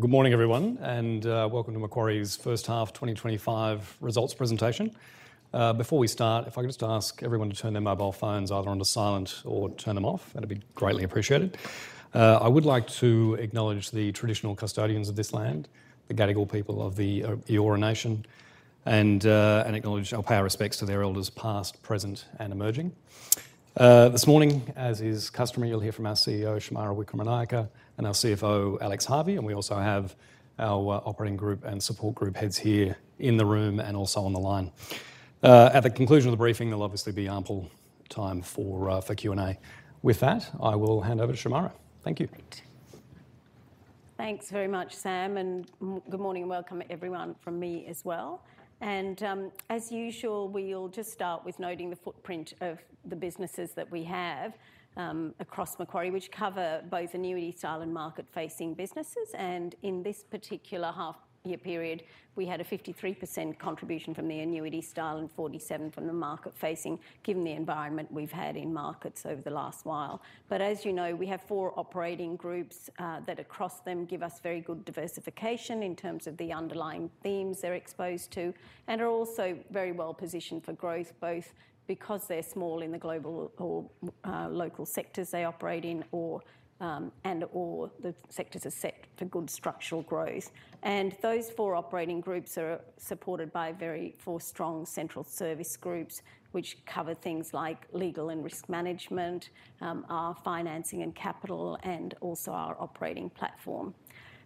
Good morning, everyone, and welcome to Macquarie's First Half 2025 results presentation. Before we start, if I could just ask everyone to turn their mobile phones either onto silent or turn them off, that'd be greatly appreciated. I would like to acknowledge the traditional custodians of this land, the Gadigal people of the Eora Nation, and acknowledge our respects to their elders past, present, and emerging. This morning, as is customary, you'll hear from our CEO, Shemara Wikramanayake, and our CFO, Alex Harvey, and we also have our operating group and support group heads here in the room and also on the line. At the conclusion of the briefing, there'll obviously be ample time for Q&A. With that, I will hand over to Shemara. Thank you. Thanks very much, Sam, and good morning and welcome everyone from me as well, and as usual, we'll just start with noting the footprint of the businesses that we have across Macquarie, which cover both annuity style and market-facing businesses. And in this particular half-year period, we had a 53% contribution from the annuity style and 47% from the market-facing, given the environment we've had in markets over the last while, but as you know, we have four operating groups that, across them, give us very good diversification in terms of the underlying themes they're exposed to and are also very well positioned for growth, both because they're small in the global or local sectors they operate in and/or the sectors are set for good structural growth. Those four operating groups are supported by four strong central service groups, which cover things like legal and risk management, our financing and capital, and also our operating platform.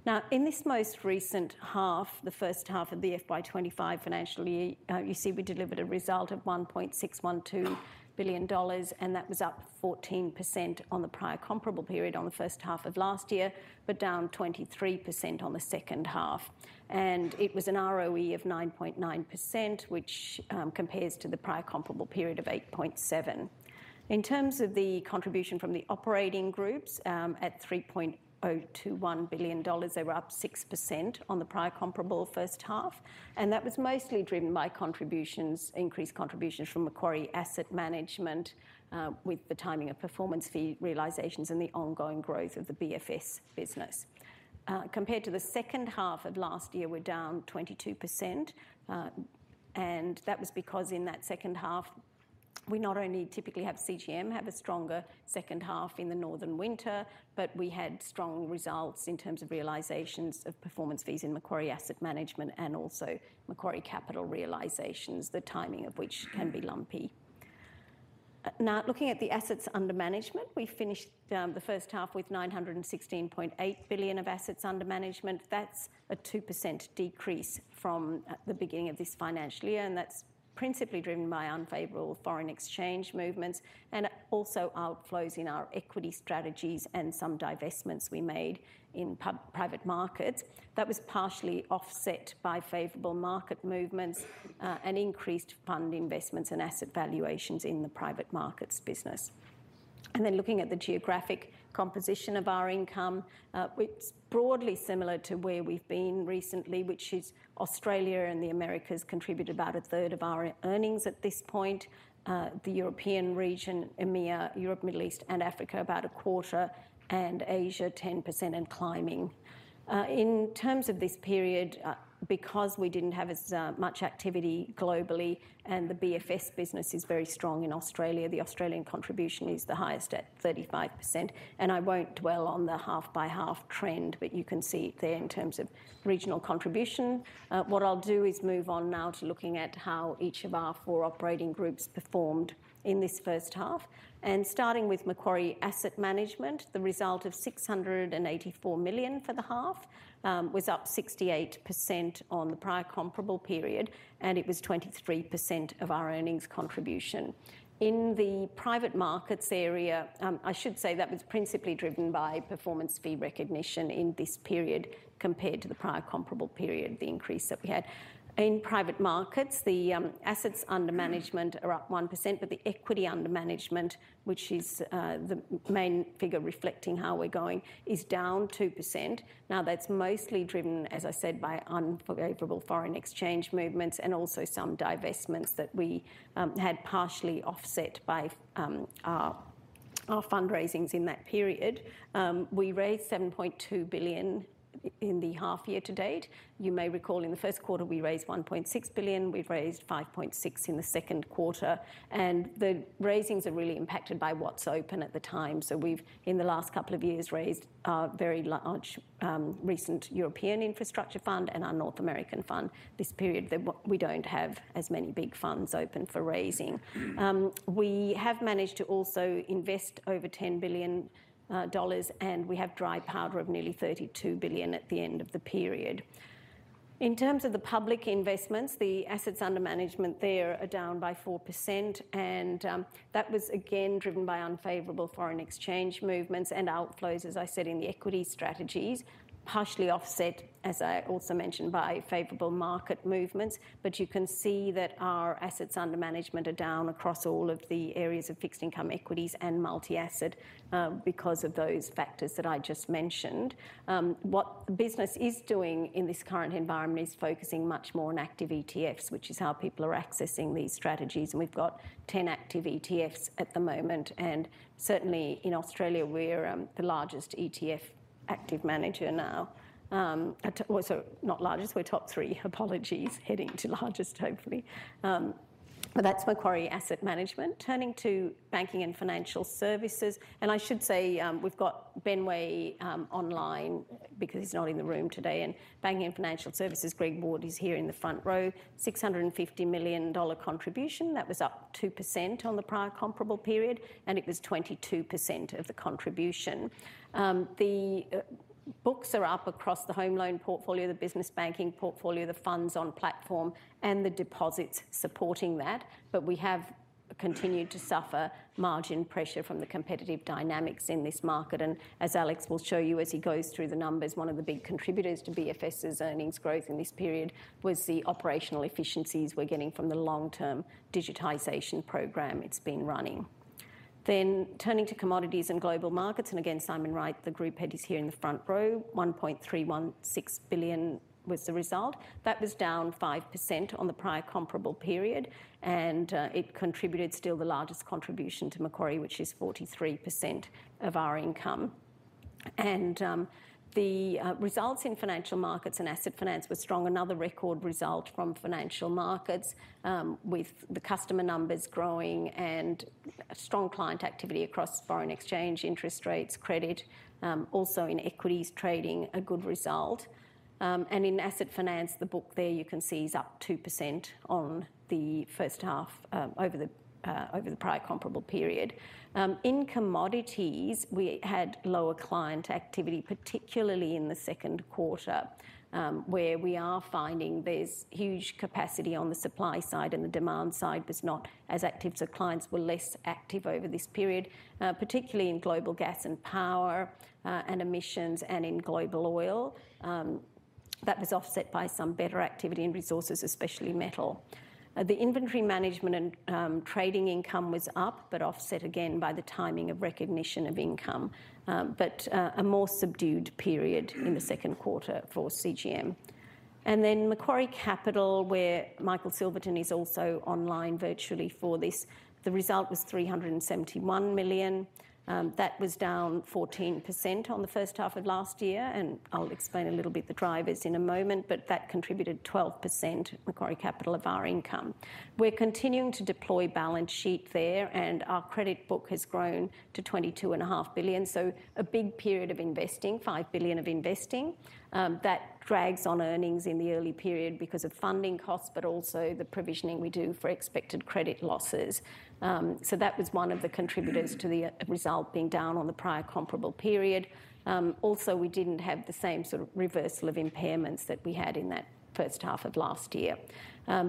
Now, in this most recent half, the first half of the FY25 financial year, you see we delivered a result of AUD 1.612 billion, and that was up 14% on the prior comparable period on the first half of last year, but down 23% on the second half. It was an ROE of 9.9%, which compares to the prior comparable period of 8.7%. In terms of the contribution from the operating groups, at 3.021 billion dollars, they were up 6% on the prior comparable first half, and that was mostly driven by increased contributions from Macquarie Asset Management with the timing of performance fee realizations and the ongoing growth of the BFS business. Compared to the second half of last year, we're down 22%, and that was because in that second half, we not only typically have CGM have a stronger second half in the northern winter, but we had strong results in terms of realizations of performance fees in Macquarie Asset Management and also Macquarie Capital realizations, the timing of which can be lumpy. Now, looking at the assets under management, we finished the first half with 916.8 billion of assets under management. That's a 2% decrease from the beginning of this financial year, and that's principally driven by unfavorable foreign exchange movements and also outflows in our equity strategies and some divestments we made in private markets. That was partially offset by favorable market movements and increased fund investments and asset valuations in the private markets business. And then looking at the geographic composition of our income, it's broadly similar to where we've been recently, which is Australia and the Americas contribute about a third of our earnings at this point. The European region, EMEA, Europe, Middle East, and Africa, about a quarter, and Asia, 10% and climbing. In terms of this period, because we didn't have as much activity globally and the BFS business is very strong in Australia, the Australian contribution is the highest at 35%. And I won't dwell on the half-by-half trend, but you can see it there in terms of regional contribution. What I'll do is move on now to looking at how each of our four operating groups performed in this first half. And starting with Macquarie Asset Management, the result of 684 million for the half was up 68% on the prior comparable period, and it was 23% of our earnings contribution. In the private markets area, I should say that was principally driven by performance fee recognition in this period compared to the prior comparable period, the increase that we had. In private markets, the assets under management are up 1%, but the equity under management, which is the main figure reflecting how we're going, is down 2%. Now, that's mostly driven, as I said, by unfavorable foreign exchange movements and also some divestments that we had partially offset by our fundraisings in that period. We raised 7.2 billion in the half year to date. You may recall in the first quarter, we raised 1.6 billion. We've raised 5.6 billion in the second quarter. The raisings are really impacted by what's open at the time. We've, in the last couple of years, raised a very large recent European Infrastructure Fund and our North American Fund. This period, we don't have as many big funds open for raising. We have managed to also invest over 10 billion dollars, and we have dry powder of nearly 32 billion at the end of the period. In terms of the public investments, the assets under management there are down by 4%, and that was again driven by unfavorable foreign exchange movements and outflows, as I said, in the equity strategies, partially offset, as I also mentioned, by favorable market movements. You can see that our assets under management are down across all of the areas of fixed income, equities, and multi-asset because of those factors that I just mentioned. What the business is doing in this current environment is focusing much more on active ETFs, which is how people are accessing these strategies. And we've got 10 active ETFs at the moment. And certainly, in Australia, we're the largest ETF active manager now. Also, not largest, we're top three. Apologies, heading to largest, hopefully. But that's Macquarie Asset Management. Turning to banking and financial services, and I should say we've got Ben Way online because he's not in the room today. And banking and financial services, Greg Ward, is here in the front row. 650 million dollar contribution, that was up 2% on the prior comparable period, and it was 22% of the contribution. The books are up across the home loan portfolio, the business banking portfolio, the funds on platform, and the deposits supporting that. But we have continued to suffer margin pressure from the competitive dynamics in this market. And as Alex will show you as he goes through the numbers, one of the big contributors to BFS's earnings growth in this period was the operational efficiencies we're getting from the long-term digitization program it's been running. Then turning to Commodities and Global Markets, and again, Simon Wright, the Group Head, is here in the front row. 1.316 billion was the result. That was down 5% on the prior comparable period, and it contributed still the largest contribution to Macquarie, which is 43% of our income. And the results in financial markets and asset finance were strong. Another record result from financial markets with the customer numbers growing and strong client activity across foreign exchange, interest rates, credit, also in equities trading, a good result. And in asset finance, the book there you can see is up 2% on the first half over the prior comparable period. In commodities, we had lower client activity, particularly in the second quarter, where we are finding there's huge capacity on the supply side and the demand side was not as active. So clients were less active over this period, particularly in global gas and power and emissions and in global oil. That was offset by some better activity in resources, especially metal. The inventory management and trading income was up, but offset again by the timing of recognition of income. But a more subdued period in the second quarter for CGM. And then Macquarie Capital, where Michael Silverton is also online virtually for this, the result was $371 million. That was down 14% on the first half of last year. I'll explain a little bit the drivers in a moment, but that contributed 12%, Macquarie Capital, of our income. We're continuing to deploy balance sheet there, and our credit book has grown to 22.5 billion. It's a big period of investing, 5 billion of investing. That drags on earnings in the early period because of funding costs, but also the provisioning we do for expected credit losses. That was one of the contributors to the result being down on the prior comparable period. Also, we didn't have the same sort of reversal of impairments that we had in that first half of last year.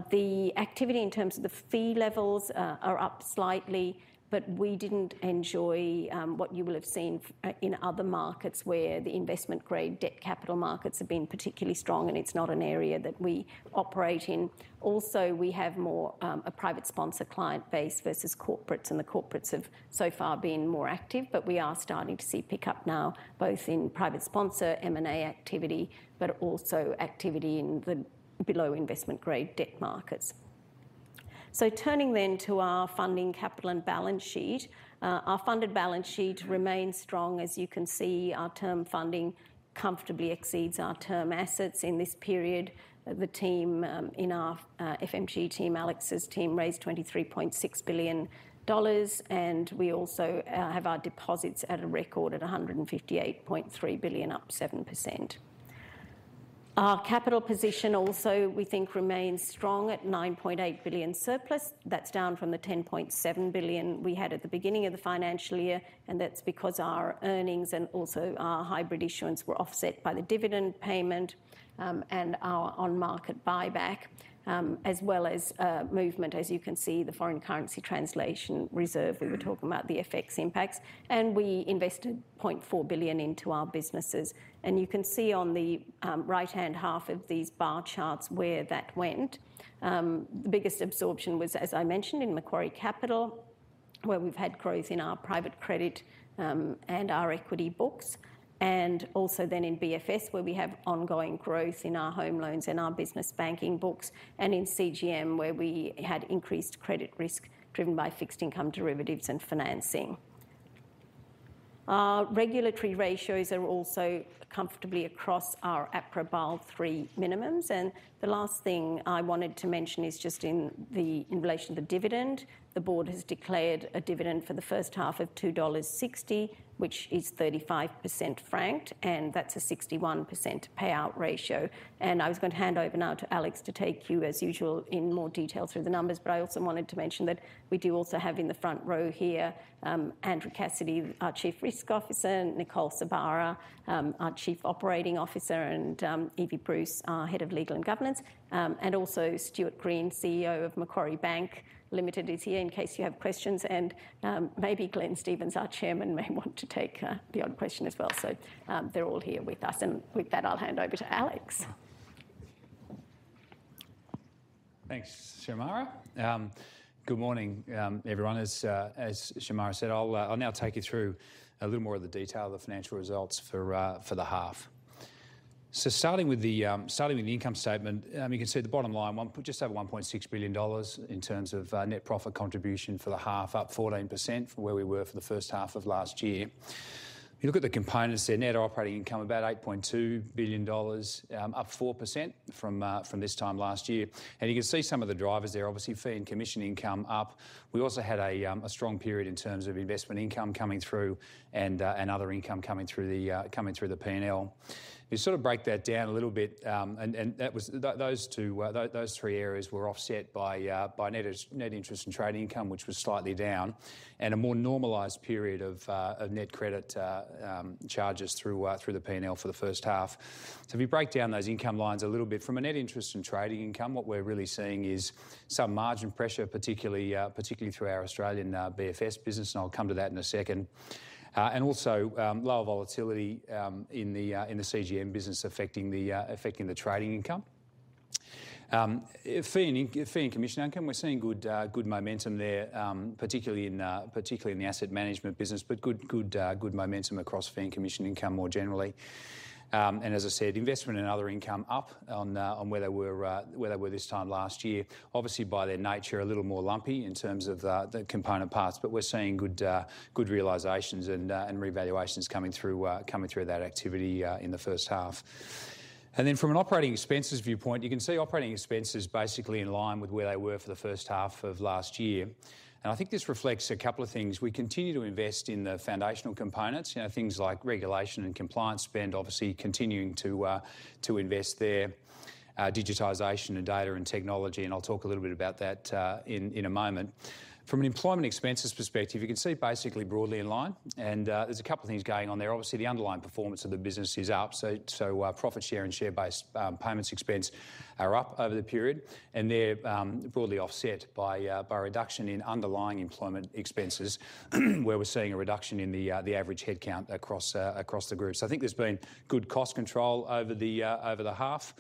The activity in terms of the fee levels are up slightly, but we didn't enjoy what you will have seen in other markets where the investment-grade debt capital markets have been particularly strong, and it's not an area that we operate in. Also, we have more of a private sponsor client base versus corporates, and the corporates have so far been more active, but we are starting to see pickup now both in private sponsor M&A activity, but also activity in the below investment-grade debt markets. So turning then to our funding capital and balance sheet, our funded balance sheet remains strong. As you can see, our term funding comfortably exceeds our term assets in this period. The team in our FMG team, Alex's team, raised 23.6 billion dollars, and we also have our deposits at a record at 158.3 billion, up 7%. Our capital position also, we think, remains strong at 9.8 billion surplus. That's down from the $10.7 billion we had at the beginning of the financial year, and that's because our earnings and also our hybrid issuance were offset by the dividend payment and our on-market buyback, as well as movement, as you can see, the foreign currency translation reserve we were talking about, the FX impacts. And we invested $0.4 billion into our businesses. And you can see on the right-hand half of these bar charts where that went. The biggest absorption was, as I mentioned, in Macquarie Capital, where we've had growth in our private credit and our equity books, and also then in BFS, where we have ongoing growth in our home loans and our business banking books, and in CGM, where we had increased credit risk driven by fixed income derivatives and financing. Our regulatory ratios are also comfortably across our APRA Basel III minimums. The last thing I wanted to mention is just in relation to the dividend. The board has declared a dividend for the first half of 2.60 dollars, which is 35% franked, and that's a 61% payout ratio. I was going to hand over now to Alex to take you, as usual, in more detail through the numbers, but I also wanted to mention that we do also have in the front row here Andrew Cassidy, our Chief Risk Officer, Nicole Sorbara, our Chief Operating Officer, and Evie Bruce, our Head of Legal and Governance, and also Stuart Green, CEO of Macquarie Bank Limited, is here in case you have questions. Maybe Glenn Stevens, our Chairman, may want to take the odd question as well. So they're all here with us. With that, I'll hand over to Alex. Thanks, Shemara. Good morning, everyone. As Shemara said, I'll now take you through a little more of the detail of the financial results for the half. So starting with the income statement, you can see the bottom line, just over 1.6 billion dollars in terms of net profit contribution for the half, up 14% from where we were for the first half of last year. You look at the components there, net operating income about 8.2 billion dollars, up 4% from this time last year. And you can see some of the drivers there, obviously, fee and commission income up. We also had a strong period in terms of investment income coming through and other income coming through the P&L. You sort of break that down a little bit, and those three areas were offset by net interest and trading income, which was slightly down, and a more normalized period of net credit charges through the P&L for the first half. So if you break down those income lines a little bit, from a net interest and trading income, what we're really seeing is some margin pressure, particularly through our Australian BFS business, and I'll come to that in a second. And also lower volatility in the CGM business affecting the trading income. Fee and commission income, we're seeing good momentum there, particularly in the asset management business, but good momentum across fee and commission income more generally. And as I said, investment and other income up on where they were this time last year. Obviously, by their nature, a little more lumpy in terms of the component parts, but we're seeing good realizations and revaluations coming through that activity in the first half, and then from an operating expenses viewpoint, you can see operating expenses basically in line with where they were for the first half of last year, and I think this reflects a couple of things. We continue to invest in the foundational components, things like regulation and compliance spend, obviously continuing to invest there, digitization and data and technology, and I'll talk a little bit about that in a moment. From an employment expenses perspective, you can see basically broadly in line, and there's a couple of things going on there. Obviously, the underlying performance of the business is up, so profit share and share-based payments expense are up over the period, and they're broadly offset by a reduction in underlying employment expenses, where we're seeing a reduction in the average headcount across the group. So I think there's been good cost control over the half.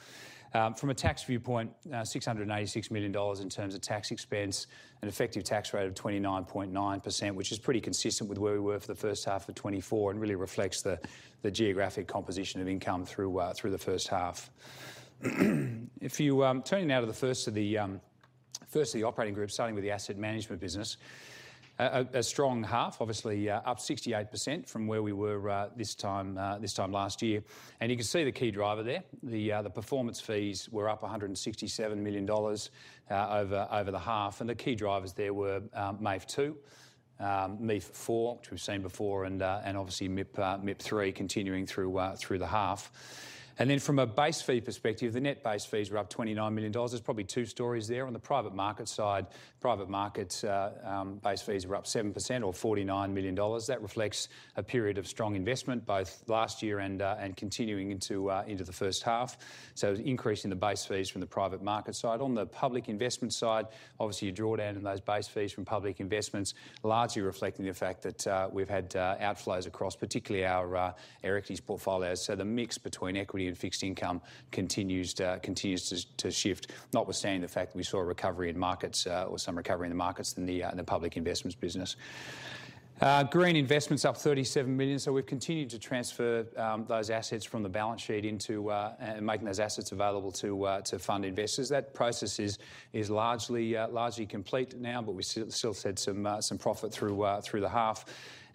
From a tax viewpoint, 686 million dollars in terms of tax expense and effective tax rate of 29.9%, which is pretty consistent with where we were for the first half of 2024 and really reflects the geographic composition of income through the first half. If you turn it now to the first of the operating group, starting with the asset management business, a strong half, obviously up 68% from where we were this time last year. And you can see the key driver there. The performance fees were up 167 million dollars over the half, and the key drivers there were MAIF2, MEIF4, which we've seen before, and obviously MIP III continuing through the half. And then from a base fee perspective, the net base fees were up 29 million dollars. There's probably two stories there. On the private market side, private market base fees were up 7% or 49 million dollars. That reflects a period of strong investment, both last year and continuing into the first half. So increasing the base fees from the private market side. On the public investment side, obviously a drawdown in those base fees from public investments, largely reflecting the fact that we've had outflows across particularly our equities portfolios. So the mix between equity and fixed income continues to shift, notwithstanding the fact that we saw a recovery in markets or some recovery in the markets in the public investments business. Green investments up 37 million. We've continued to transfer those assets from the balance sheet into making those assets available to fund investors. That process is largely complete now, but we still saw some profit through the half.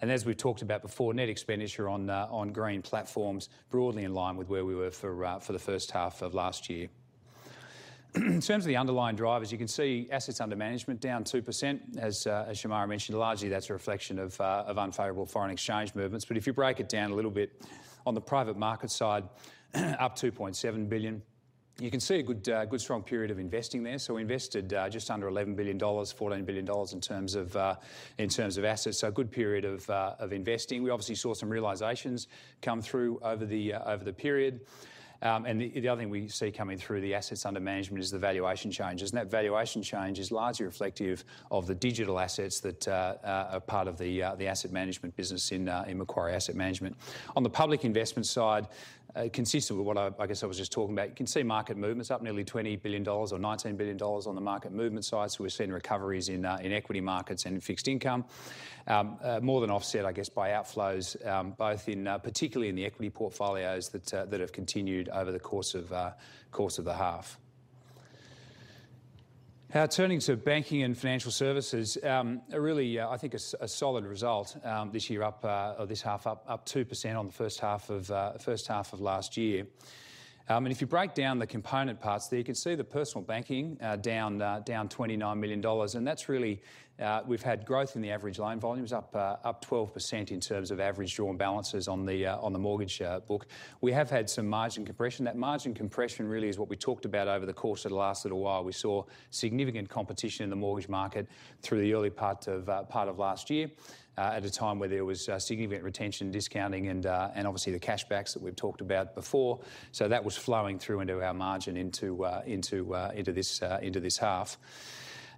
And as we've talked about before, net expenditure on green platforms broadly in line with where we were for the first half of last year. In terms of the underlying drivers, you can see assets under management down 2%. As Shemara mentioned, largely that's a reflection of unfavorable foreign exchange movements. If you break it down a little bit on the private market side, up 2.7 billion. You can see a good strong period of investing there. We invested just under 11 billion dollars, 14 billion dollars in terms of assets. A good period of investing. We obviously saw some realizations come through over the period. And the other thing we see coming through the assets under management is the valuation changes. And that valuation change is largely reflective of the digital assets that are part of the asset management business in Macquarie Asset Management. On the public investment side, consistent with what I guess I was just talking about, you can see market movements up nearly $20 billion or $19 billion on the market movement side. So we're seeing recoveries in equity markets and in fixed income, more than offset, I guess, by outflows, both particularly in the equity portfolios that have continued over the course of the half. Now turning to banking and financial services, a really, I think, a solid result this year up this half, up 2% on the first half of last year. And if you break down the component parts there, you can see the personal banking down $29 million. And that's really we've had growth in the average loan volumes, up 12% in terms of average drawn balances on the mortgage book. We have had some margin compression. That margin compression really is what we talked about over the course of the last little while. We saw significant competition in the mortgage market through the early part of last year at a time where there was significant retention, discounting, and obviously the cash backs that we've talked about before. So that was flowing through into our margin into this half.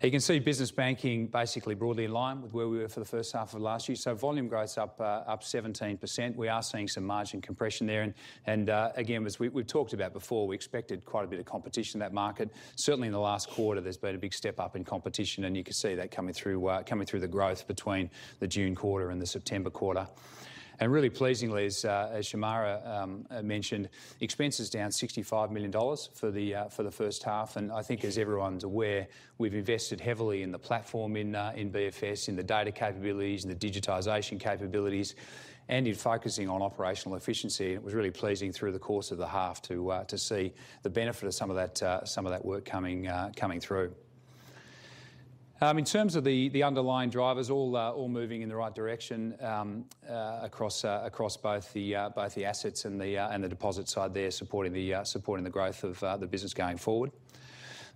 You can see business banking basically broadly in line with where we were for the first half of last year. So volume growth's up 17%. We are seeing some margin compression there. And again, as we've talked about before, we expected quite a bit of competition in that market. Certainly in the last quarter, there's been a big step up in competition, and you can see that coming through the growth between the June quarter and the September quarter. And really pleasingly, as Shemara mentioned, expenses down 65 million dollars for the first half. And I think as everyone's aware, we've invested heavily in the platform in BFS, in the data capabilities, in the digitization capabilities, and in focusing on operational efficiency. And it was really pleasing through the course of the half to see the benefit of some of that work coming through. In terms of the underlying drivers, all moving in the right direction across both the assets and the deposit side there, supporting the growth of the business going forward.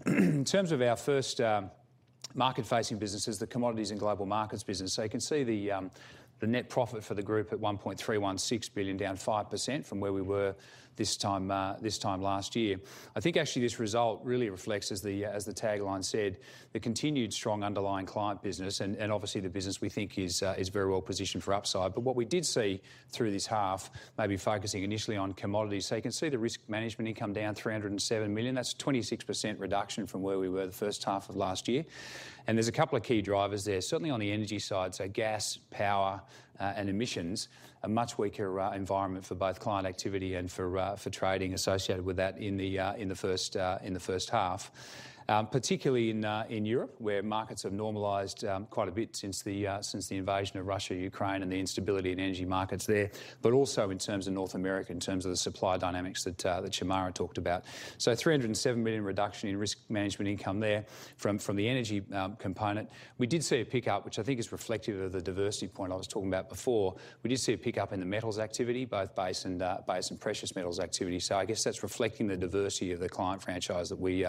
In terms of our first market-facing businesses, the commodities and global markets business, so you can see the net profit for the group at 1.316 billion, down 5% from where we were this time last year. I think actually this result really reflects, as the tagline said, the continued strong underlying client business and obviously the business we think is very well positioned for upside. But what we did see through this half, maybe focusing initially on commodities, so you can see the risk management income down 307 million. That's a 26% reduction from where we were the first half of last year. And there's a couple of key drivers there. Certainly on the energy side, so gas, power, and emissions, a much weaker environment for both client activity and for trading associated with that in the first half, particularly in Europe where markets have normalized quite a bit since the Russian invasion of Ukraine, and the instability in energy markets there, but also in terms of North America in terms of the supply dynamics that Shemara talked about. So 307 million reduction in risk management income there from the energy component. We did see a pickup, which I think is reflective of the diversity point I was talking about before. We did see a pickup in the metals activity, both base and precious metals activity. So I guess that's reflecting the diversity of the client franchise that we've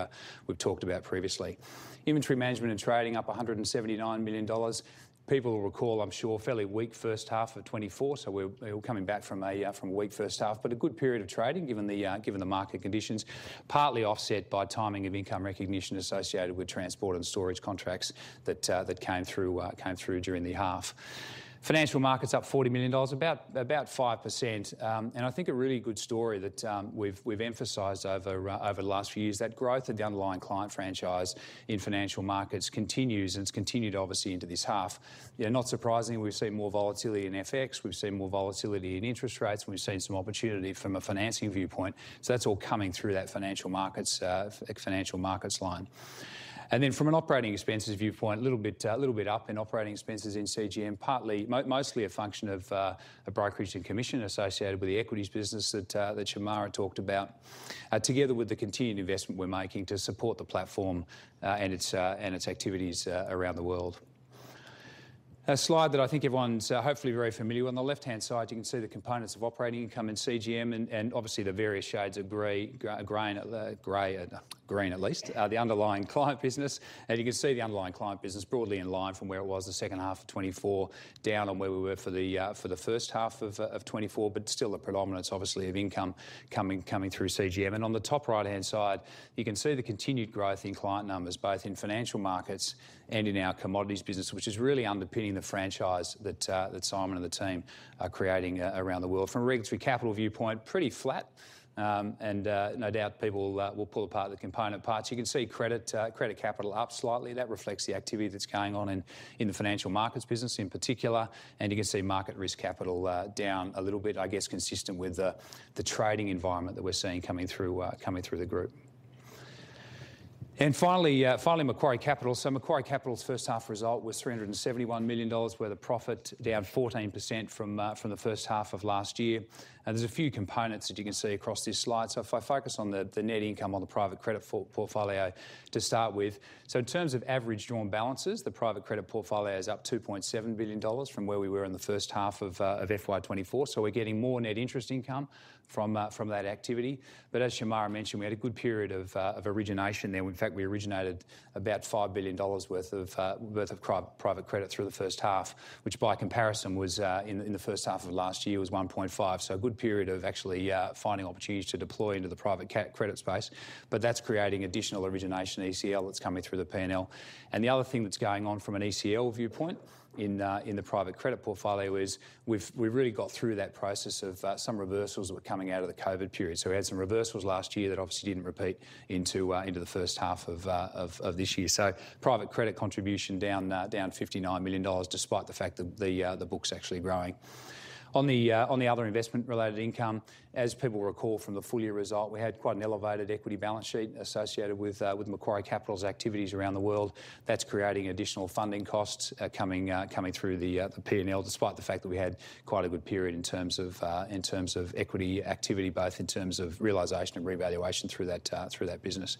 talked about previously. Inventory management and trading up 179 million dollars. People will recall, I'm sure, fairly weak first half of 2024, so we're all coming back from a weak first half, but a good period of trading given the market conditions, partly offset by timing of income recognition associated with transport and storage contracts that came through during the half. Financial markets up $40 million, about 5%, and I think a really good story that we've emphasized over the last few years is that growth of the underlying client franchise in financial markets continues, and it's continued obviously into this half. Not surprisingly, we've seen more volatility in FX. We've seen more volatility in interest rates, and we've seen some opportunity from a financing viewpoint, so that's all coming through that financial markets line. And then from an operating expenses viewpoint, a little bit up in operating expenses in CGM, mostly a function of brokerage and commission associated with the equities business that Shemara talked about, together with the continued investment we're making to support the platform and its activities around the world. A slide that I think everyone's hopefully very familiar with. On the left-hand side, you can see the components of operating income in CGM, and obviously the various shades of green, green at least, the underlying client business. And you can see the underlying client business broadly in line from where it was the second half of 2024 down on where we were for the first half of 2024, but still a predominance obviously of income coming through CGM. On the top right-hand side, you can see the continued growth in client numbers, both in financial markets and in our commodities business, which is really underpinning the franchise that Simon and the team are creating around the world. From a regulatory capital viewpoint, pretty flat, and no doubt people will pull apart the component parts. You can see credit capital up slightly. That reflects the activity that's going on in the financial markets business in particular. You can see market risk capital down a little bit, I guess, consistent with the trading environment that we're seeing coming through the group. Finally, Macquarie Capital. Macquarie Capital's first half result was 371 million dollars worth of profit, down 14% from the first half of last year. There's a few components that you can see across this slide. So if I focus on the net income on the private credit portfolio to start with. So in terms of average drawn balances, the private credit portfolio is up 2.7 billion dollars from where we were in the first half of FY24. So we're getting more net interest income from that activity. But as Shemara mentioned, we had a good period of origination there. In fact, we originated about 5 billion dollars worth of private credit through the first half, which, by comparison, in the first half of last year was 1.5. So a good period of actually finding opportunities to deploy into the private credit space. But that's creating additional origination ECL that's coming through the P&L. And the other thing that's going on from an ECL viewpoint in the private credit portfolio is we've really got through that process of some reversals that were coming out of the COVID period. So we had some reversals last year that obviously didn't repeat into the first half of this year. So private credit contribution down 59 million dollars despite the fact that the book's actually growing. On the other investment-related income, as people recall from the full year result, we had quite an elevated equity balance sheet associated with Macquarie Capital's activities around the world. That's creating additional funding costs coming through the P&L despite the fact that we had quite a good period in terms of equity activity, both in terms of realization and revaluation through that business.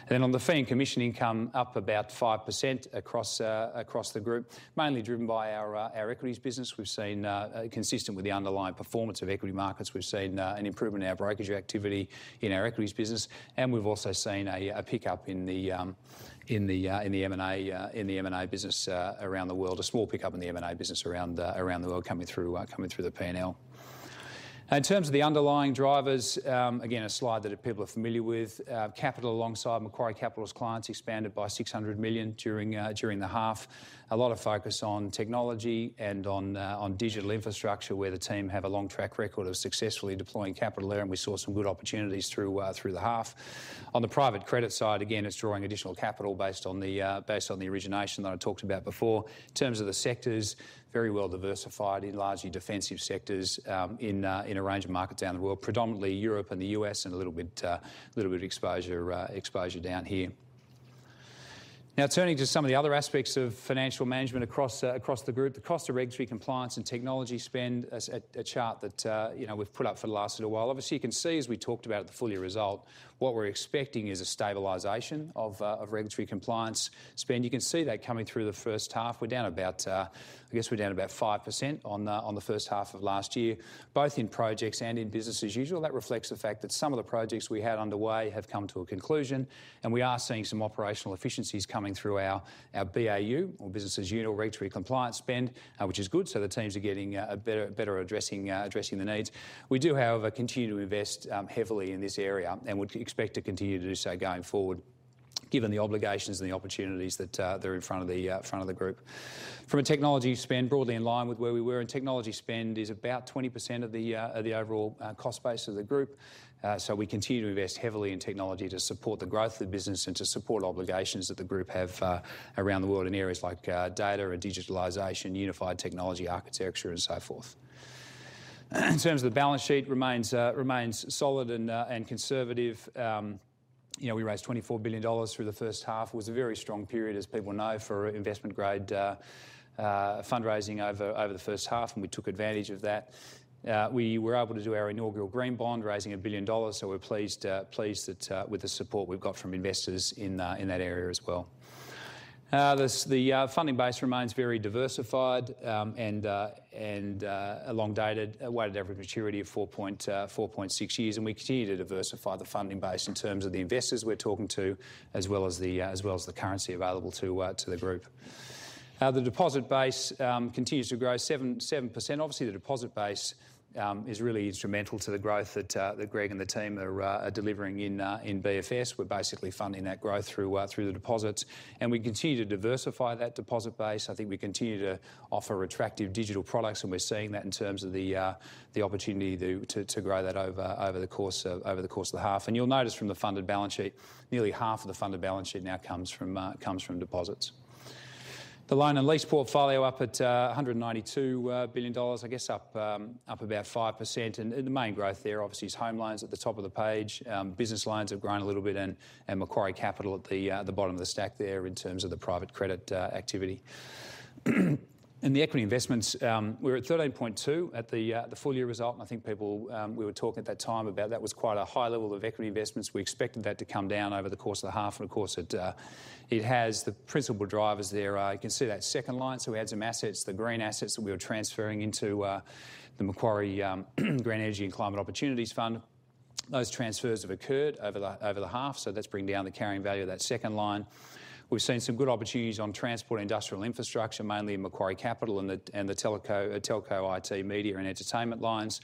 And then on the fee and commission income, up about 5% across the group, mainly driven by our equities business. We've seen, consistent with the underlying performance of equity markets, we've seen an improvement in our brokerage activity in our equities business, and we've also seen a pickup in the M&A business around the world, a small pickup in the M&A business around the world coming through the P&L. In terms of the underlying drivers, again, a slide that people are familiar with. Capital alongside Macquarie Capital's clients expanded by 600 million during the half. A lot of focus on technology and on digital infrastructure where the team have a long track record of successfully deploying capital there, and we saw some good opportunities through the half. On the private credit side, again, it's drawing additional capital based on the origination that I talked about before. In terms of the sectors, very well diversified in largely defensive sectors in a range of markets around the world, predominantly Europe and the U.S. and a little bit of exposure down here. Now turning to some of the other aspects of financial management across the group, the cost of regulatory compliance and technology spend, a chart that we've put up for the last little while. Obviously, you can see, as we talked about at the full year result, what we're expecting is a stabilization of regulatory compliance spend. You can see that coming through the first half. We're down about, I guess, 5% on the first half of last year, both in projects and in business as usual. That reflects the fact that some of the projects we had underway have come to a conclusion. We are seeing some operational efficiencies coming through our BAU, or business as usual, regulatory compliance spend, which is good. The teams are getting better at addressing the needs. We do, however, continue to invest heavily in this area and would expect to continue to do so going forward, given the obligations and the opportunities that are in front of the group. From a technology spend, broadly in line with where we were, and technology spend is about 20% of the overall cost base of the group. We continue to invest heavily in technology to support the growth of the business and to support obligations that the group have around the world in areas like data and digitalization, unified technology architecture, and so forth. In terms of the balance sheet, remains solid and conservative. We raised 24 billion dollars through the first half. It was a very strong period, as people know, for investment-grade fundraising over the first half, and we took advantage of that. We were able to do our inaugural green bond, raising 1 billion dollars, so we're pleased with the support we've got from investors in that area as well. The funding base remains very diversified, with a long-dated weighted average maturity of 4.6 years, and we continue to diversify the funding base in terms of the investors we're talking to, as well as the currency available to the group. The deposit base continues to grow 7%. Obviously, the deposit base is really instrumental to the growth that Greg and the team are delivering in BFS. We're basically funding that growth through the deposits, and we continue to diversify that deposit base. I think we continue to offer attractive digital products, and we're seeing that in terms of the opportunity to grow that over the course of the half. And you'll notice from the funded balance sheet, nearly half of the funded balance sheet now comes from deposits. The loan and lease portfolio up at 192 billion dollars, I guess up about 5%. And the main growth there obviously is home loans at the top of the page. Business loans have grown a little bit, and Macquarie Capital at the bottom of the stack there in terms of the private credit activity. And the equity investments, we're at 13.2 at the full year result. And I think people, we were talking at that time about that was quite a high level of equity investments. We expected that to come down over the course of the half. Of course, it has the principal drivers there. You can see that second line. So we had some assets, the green assets that we were transferring into the Macquarie Green Energy and Climate Opportunities Fund. Those transfers have occurred over the half. So that's bringing down the carrying value of that second line. We've seen some good opportunities on transport and industrial infrastructure, mainly in Macquarie Capital and the telco IT, media, and entertainment lines.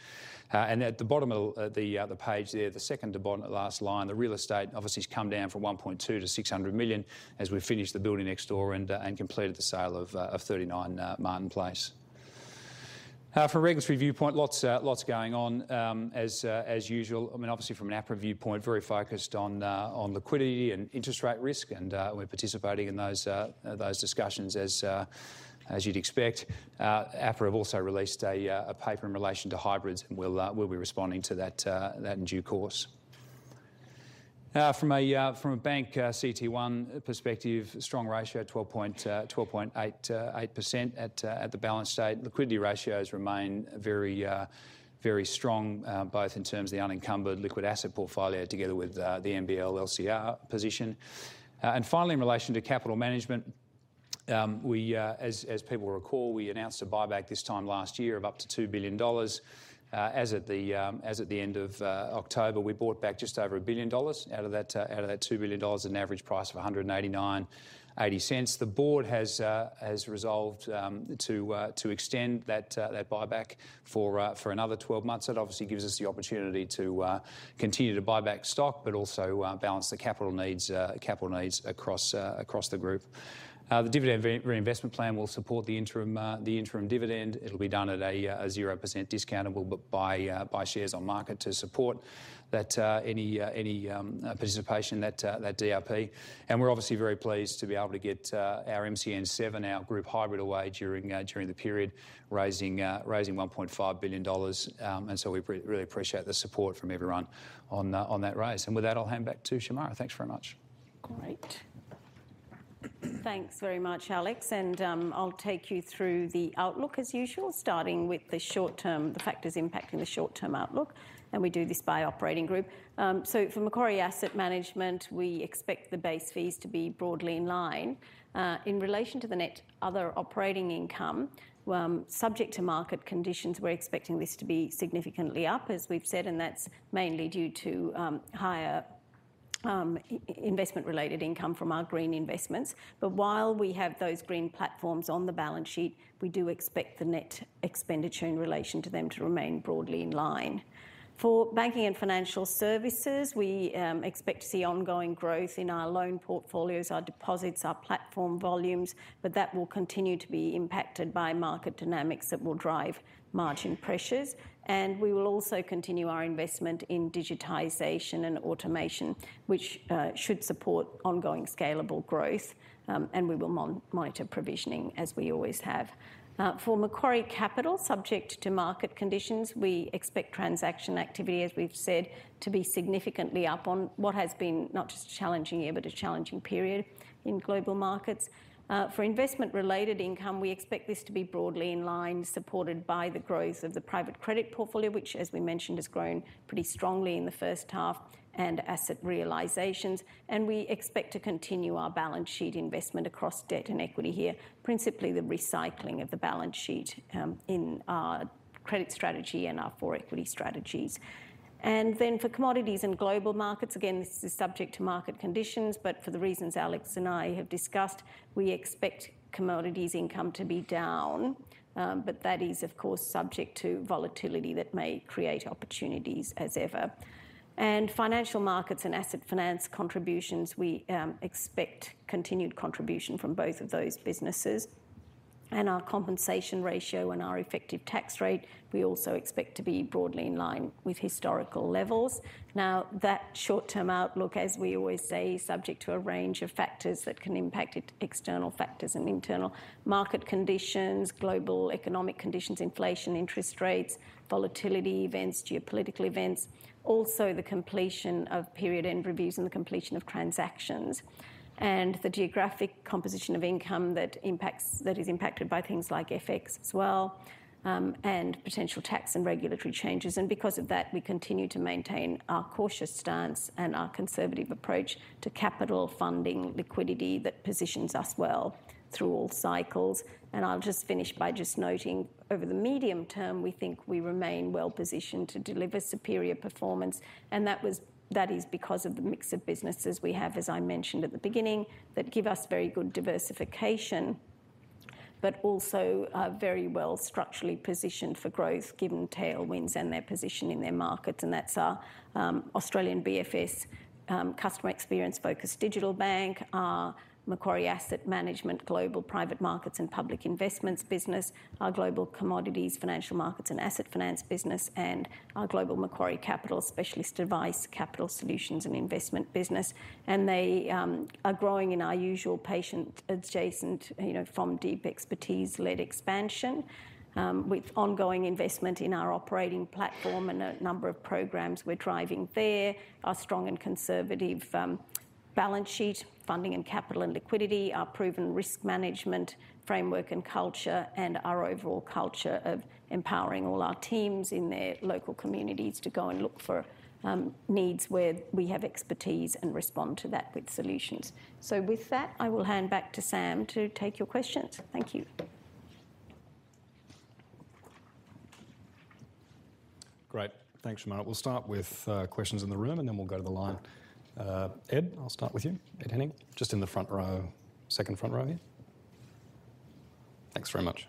And at the bottom of the page there, the second to bottom of the last line, the real estate obviously has come down from 1.2 billion-600 million as we finished the building next door and completed the sale of 39 Martin Place. From a regulatory viewpoint, lots going on as usual. I mean, obviously from an APRA viewpoint, very focused on liquidity and interest rate risk, and we're participating in those discussions as you'd expect. APRA have also released a paper in relation to hybrids, and we'll be responding to that in due course. From a bank CET1 perspective, strong ratio, 12.8% at the balance sheet. Liquidity ratios remain very strong, both in terms of the unencumbered liquid asset portfolio together with the MBL LCR position, and finally, in relation to capital management, as people recall, we announced a buyback this time last year of up to 2 billion dollars. As at the end of October, we bought back just over 1 billion dollars out of that 2 billion dollars at an average price of 189.80. The board has resolved to extend that buyback for another 12 months. That obviously gives us the opportunity to continue to buy back stock, but also balance the capital needs across the group. The dividend reinvestment plan will support the interim dividend. It'll be done at a 0% discount, and we'll buy shares on market to support any participation in that DRP. And we're obviously very pleased to be able to get our MCN7, our group hybrid, away during the period, raising 1.5 billion dollars. And so we really appreciate the support from everyone on that raise. And with that, I'll hand back to Shemara. Thanks very much. Great. Thanks very much, Alex. And I'll take you through the outlook as usual, starting with the short-term, the factors impacting the short-term outlook. And we do this by operating group. So for Macquarie Asset Management, we expect the base fees to be broadly in line. In relation to the net other operating income, subject to market conditions, we're expecting this to be significantly up, as we've said, and that's mainly due to higher investment-related income from our green investments, but while we have those green platforms on the balance sheet, we do expect the net expenditure in relation to them to remain broadly in line. For Banking and Financial Services, we expect to see ongoing growth in our loan portfolios, our deposits, our platform volumes, but that will continue to be impacted by market dynamics that will drive margin pressures, and we will also continue our investment in digitization and automation, which should support ongoing scalable growth, and we will monitor provisioning as we always have. For Macquarie Capital, subject to market conditions, we expect transaction activity, as we've said, to be significantly up on what has been not just a challenging year, but a challenging period in global markets. For investment-related income, we expect this to be broadly in line, supported by the growth of the private credit portfolio, which, as we mentioned, has grown pretty strongly in the first half and asset realizations. And we expect to continue our balance sheet investment across debt and equity here, principally the recycling of the balance sheet in our credit strategy and our four equity strategies. And then for commodities and global markets, again, this is subject to market conditions, but for the reasons Alex and I have discussed, we expect commodities income to be down, but that is, of course, subject to volatility that may create opportunities as ever. And financial markets and asset finance contributions, we expect continued contribution from both of those businesses. And our compensation ratio and our effective tax rate, we also expect to be broadly in line with historical levels. Now, that short-term outlook, as we always say, is subject to a range of factors that can impact external factors and internal market conditions, global economic conditions, inflation, interest rates, volatility events, geopolitical events, also the completion of period end reviews and the completion of transactions, and the geographic composition of income that is impacted by things like FX as well, and potential tax and regulatory changes. And because of that, we continue to maintain our cautious stance and our conservative approach to capital funding liquidity that positions us well through all cycles. And I'll just finish by just noting over the medium term, we think we remain well positioned to deliver superior performance. And that is because of the mix of businesses we have, as I mentioned at the beginning, that give us very good diversification, but also are very well structurally positioned for growth given tailwinds and their position in their markets. And that's our Australian BFS Customer Experience Focus Digital Bank, our Macquarie Asset Management Global Private Markets and Public Investments business, our Global Commodities Financial Markets and Asset Finance business, and our Global Macquarie Capital Specialist Advice Capital Solutions and Investment business. And they are growing in our usual patient-adjacent from deep expertise-led expansion with ongoing investment in our operating platform and a number of programs we're driving there. Our strong and conservative balance sheet funding and capital and liquidity, our proven risk management framework and culture, and our overall culture of empowering all our teams in their local communities to go and look for needs where we have expertise and respond to that with solutions. So with that, I will hand back to Sam to take your questions. Thank you. Great. Thanks, Shemara. We'll start with questions in the room, and then we'll go to the line. Ed, I'll start with you. Ed Henning, just in the front row, second front row here. Thanks very much.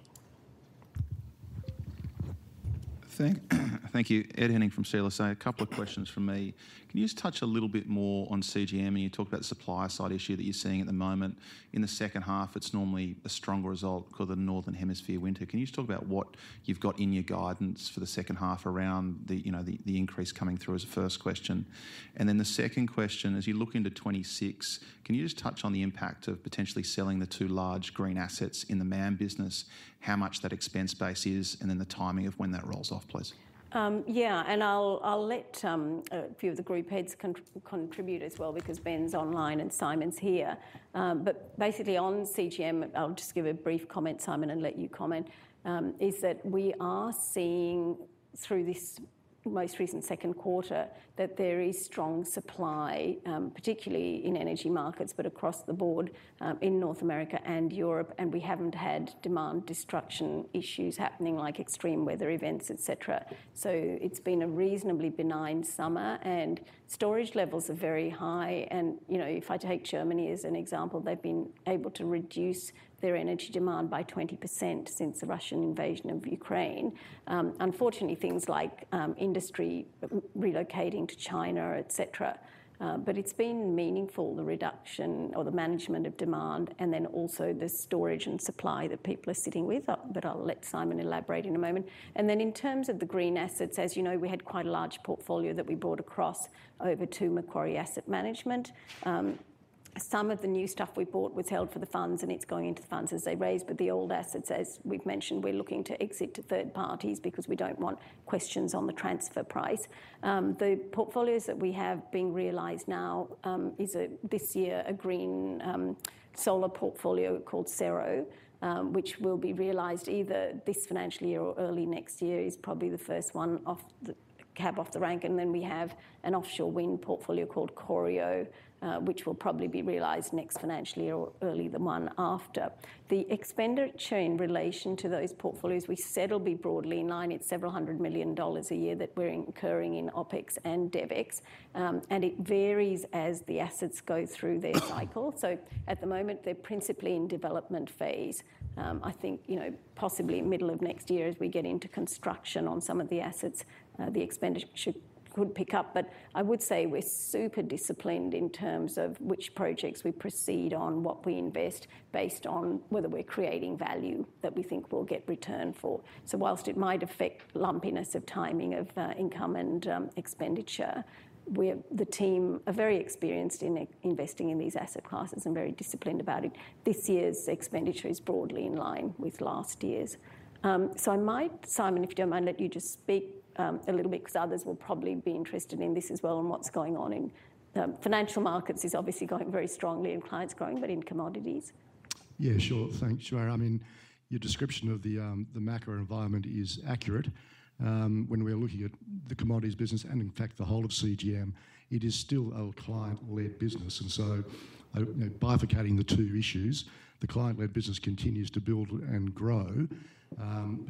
Thank you. Ed Henning from CLSA. A couple of questions from me. Can you just touch a little bit more on CGM? You talked about the supply side issue that you're seeing at the moment. In the second half, it's normally a stronger result called the Northern Hemisphere winter. Can you just talk about what you've got in your guidance for the second half around the increase coming through as a first question? And then the second question, as you look into 2026, can you just touch on the impact of potentially selling the two large green assets in the MAM business, how much that expense base is, and then the timing of when that rolls off, please? Yeah, and I'll let a few of the group heads contribute as well because Ben's online and Simon's here. But basically on CGM, I'll just give a brief comment, Simon, and let you comment, is that we are seeing through this most recent second quarter that there is strong supply, particularly in energy markets, but across the board in North America and Europe. And we haven't had demand destruction issues happening like extreme weather events, etc. It's been a reasonably benign summer, and storage levels are very high. If I take Germany as an example, they've been able to reduce their energy demand by 20% since the Russian invasion of Ukraine. Unfortunately, things like industry relocating to China, etc. It's been meaningful, the reduction or the management of demand, and then also the storage and supply that people are sitting with that I'll let Simon elaborate in a moment. In terms of the green assets, as you know, we had quite a large portfolio that we brought across over to Macquarie Asset Management. Some of the new stuff we bought was held for the funds, and it's going into the funds as they raise. The old assets, as we've mentioned, we're looking to exit to third parties because we don't want questions on the transfer price. The portfolios that we have being realized now is this year a green solar portfolio called Cero, which will be realized either this financial year or early next year. It's probably the first cab off the rank. And then we have an offshore wind portfolio called Corio, which will probably be realized next financial year or early the month after. The expenditure in relation to those portfolios, we said will be broadly in line. It's several hundred million dollars a year that we're incurring in OpEx and DevEx, and it varies as the assets go through their cycle. So at the moment, they're principally in development phase. I think possibly middle of next year as we get into construction on some of the assets, the expenditure could pick up. I would say we're super disciplined in terms of which projects we proceed on, what we invest based on, whether we're creating value that we think we'll get return for. So while it might affect lumpiness of timing of income and expenditure, the team are very experienced in investing in these asset classes and very disciplined about it. This year's expenditure is broadly in line with last year's. So I might, Simon, if you don't mind, let you just speak a little bit because others will probably be interested in this as well and what's going on in financial markets is obviously going very strongly in clients growing, but in commodities. Yeah, sure. Thanks, Shemara. I mean, your description of the macro environment is accurate. When we are looking at the commodities business and in fact the whole of CGM, it is still a client-led business. Bifurcating the two issues, the client-led business continues to build and grow.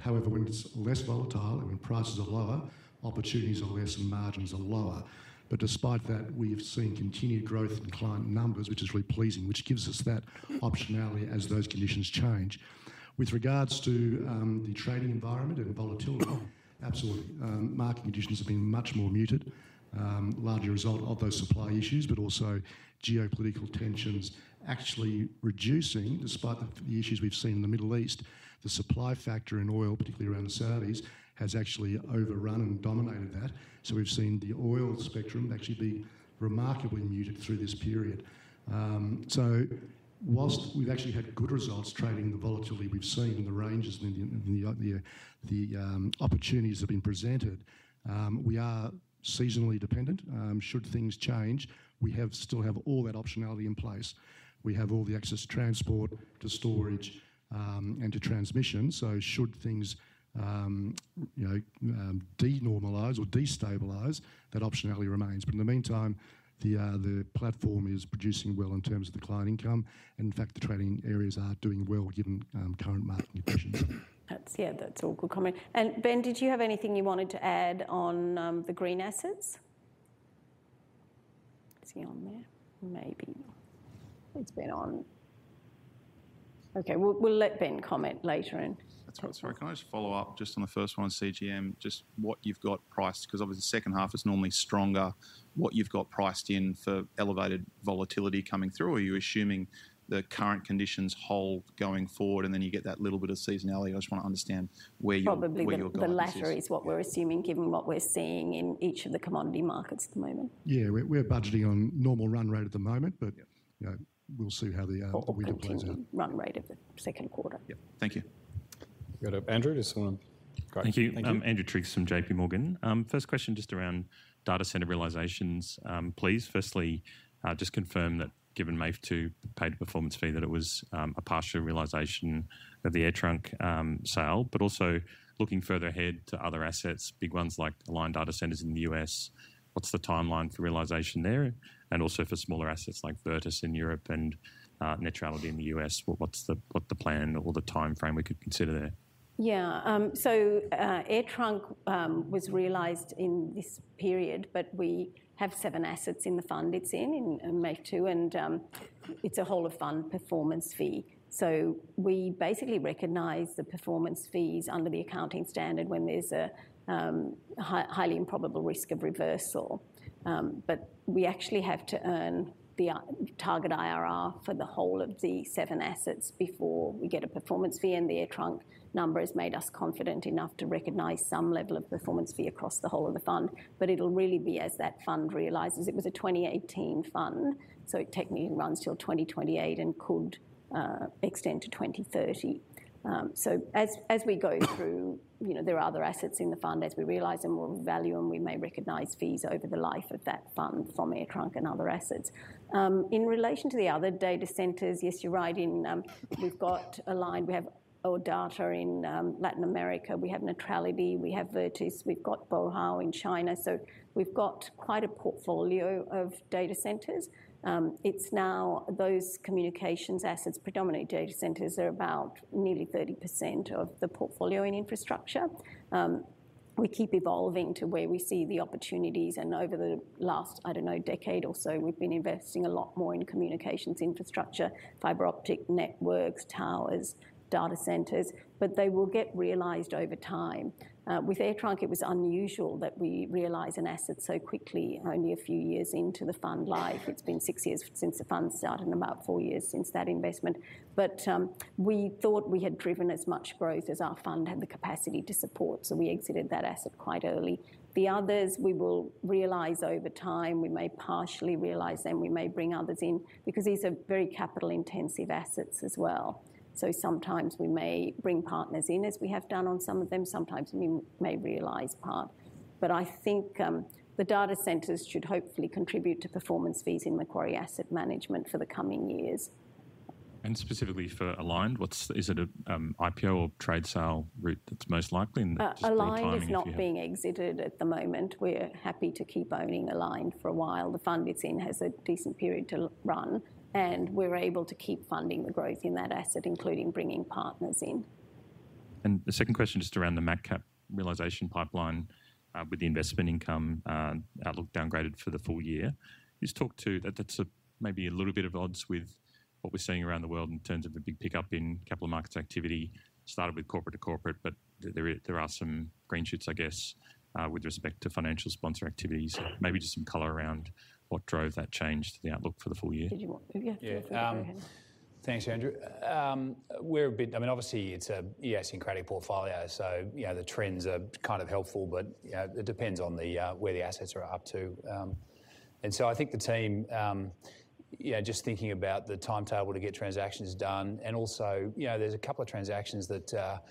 However, when it's less volatile and when prices are lower, opportunities are less and margins are lower. But despite that, we've seen continued growth in client numbers, which is really pleasing, which gives us that optionality as those conditions change. With regards to the trading environment and volatility, absolutely. Market conditions have been much more muted, largely a result of those supply issues, but also geopolitical tensions actually reducing, despite the issues we've seen in the Middle East. The supply factor in oil, particularly around the Saudis, has actually overrun and dominated that. So we've seen the oil spectrum actually be remarkably muted through this period. So while we've actually had good results trading the volatility we've seen in the ranges and the opportunities that have been presented, we are seasonally dependent. Should things change, we still have all that optionality in place. We have all the access to transport, to storage, and to transmission. So should things denormalize or destabilize, that optionality remains. But in the meantime, the platform is producing well in terms of the client income. And in fact, the trading areas are doing well given current market conditions. Yeah, that's all good comment. And Ben, did you have anything you wanted to add on the green assets? Is he on there? Maybe. It's been on. Okay, we'll let Ben comment later in. That's right. Sorry, can I just follow up just on the first one on CGM, just what you've got priced? Because obviously the second half is normally stronger. What you've got priced in for elevated volatility coming through, or are you assuming the current conditions hold going forward and then you get that little bit of seasonality? I just want to understand where you're going with that. Probably the latter is what we're assuming given what we're seeing in each of the commodity markets at the moment. Yeah, we're budgeting on normal run rate at the moment, but we'll see how the winter plays out. Run rate of the second quarter. Yeah, thank you. We've got Andrew, just want to... Thank you. Andrew Triggs from J.P. Morgan. First question just around data center realizations, please. Firstly, just confirm that given MAIF 2 pay the performance fee, that it was a partial realization of the AirTrunk sale, but also looking further ahead to other assets, big ones like Aligned Data Centers in the US, what's the timeline for realization there? And also for smaller assets like VIRTUS in Europe and Netrality in the US, what's the plan or the timeframe we could consider there? Yeah, so AirTrunk was realized in this period, but we have seven assets in the fund it's in in MAIF 2, and it's a whole-of-fund performance fee. So we basically recognize the performance fees under the accounting standard when there's a highly improbable risk of reversal. But we actually have to earn the target IRR for the whole of the seven assets before we get a performance fee. The AirTrunk number has made us confident enough to recognize some level of performance fee across the whole of the fund, but it'll really be as that fund realizes. It was a 2018 fund, so it technically runs till 2028 and could extend to 2030. So as we go through, there are other assets in the fund as we realize and we'll value and we may recognize fees over the life of that fund from AirTrunk and other assets. In relation to the other data centers, yes, you're right. We've got Aligned, we have ODATA in Latin America, we have Netrality, we have VIRTUS, we've got Bohao in China. So we've got quite a portfolio of data centers. In those communications assets, predominantly data centers, are about nearly 30% of the portfolio in infrastructure. We keep evolving to where we see the opportunities. And over the last, I don't know, decade or so, we've been investing a lot more in communications infrastructure, fiber optic networks, towers, data centers, but they will get realized over time. With AirTrunk, it was unusual that we realize an asset so quickly, only a few years into the fund life. It's been six years since the fund started and about four years since that investment. But we thought we had driven as much growth as our fund had the capacity to support, so we exited that asset quite early. The others, we will realize over time. We may partially realize them. We may bring others in because these are very capital-intensive assets as well. So sometimes we may bring partners in, as we have done on some of them. Sometimes we may realize part. But I think the data centers should hopefully contribute to performance fees in Macquarie Asset Management for the coming years. And specifically for Aligned, is it an IPO or trade sale route that's most likely? Aligned is not being exited at the moment. We're happy to keep owning Aligned for a while. The fund it's in has a decent period to run, and we're able to keep funding the growth in that asset, including bringing partners in. And the second question just around the MacCap realization pipeline with the investment income outlook downgraded for the full year. Just talk to that. That's maybe a little bit at odds with what we're seeing around the world in terms of the big pickup in capital markets activity started with corporate to corporate, but there are some green shoots, I guess, with respect to financial sponsor activities. Maybe just some color around what drove that change to the outlook for the full year. Did you want to? Yeah, go ahead. Thanks, Andrew. We're a bit. I mean, obviously it's a, yeah, synergistic portfolio. So the trends are kind of helpful, but it depends on where the assets are up to. And so I think the team, just thinking about the timetable to get transactions done. And also there's a couple of transactions that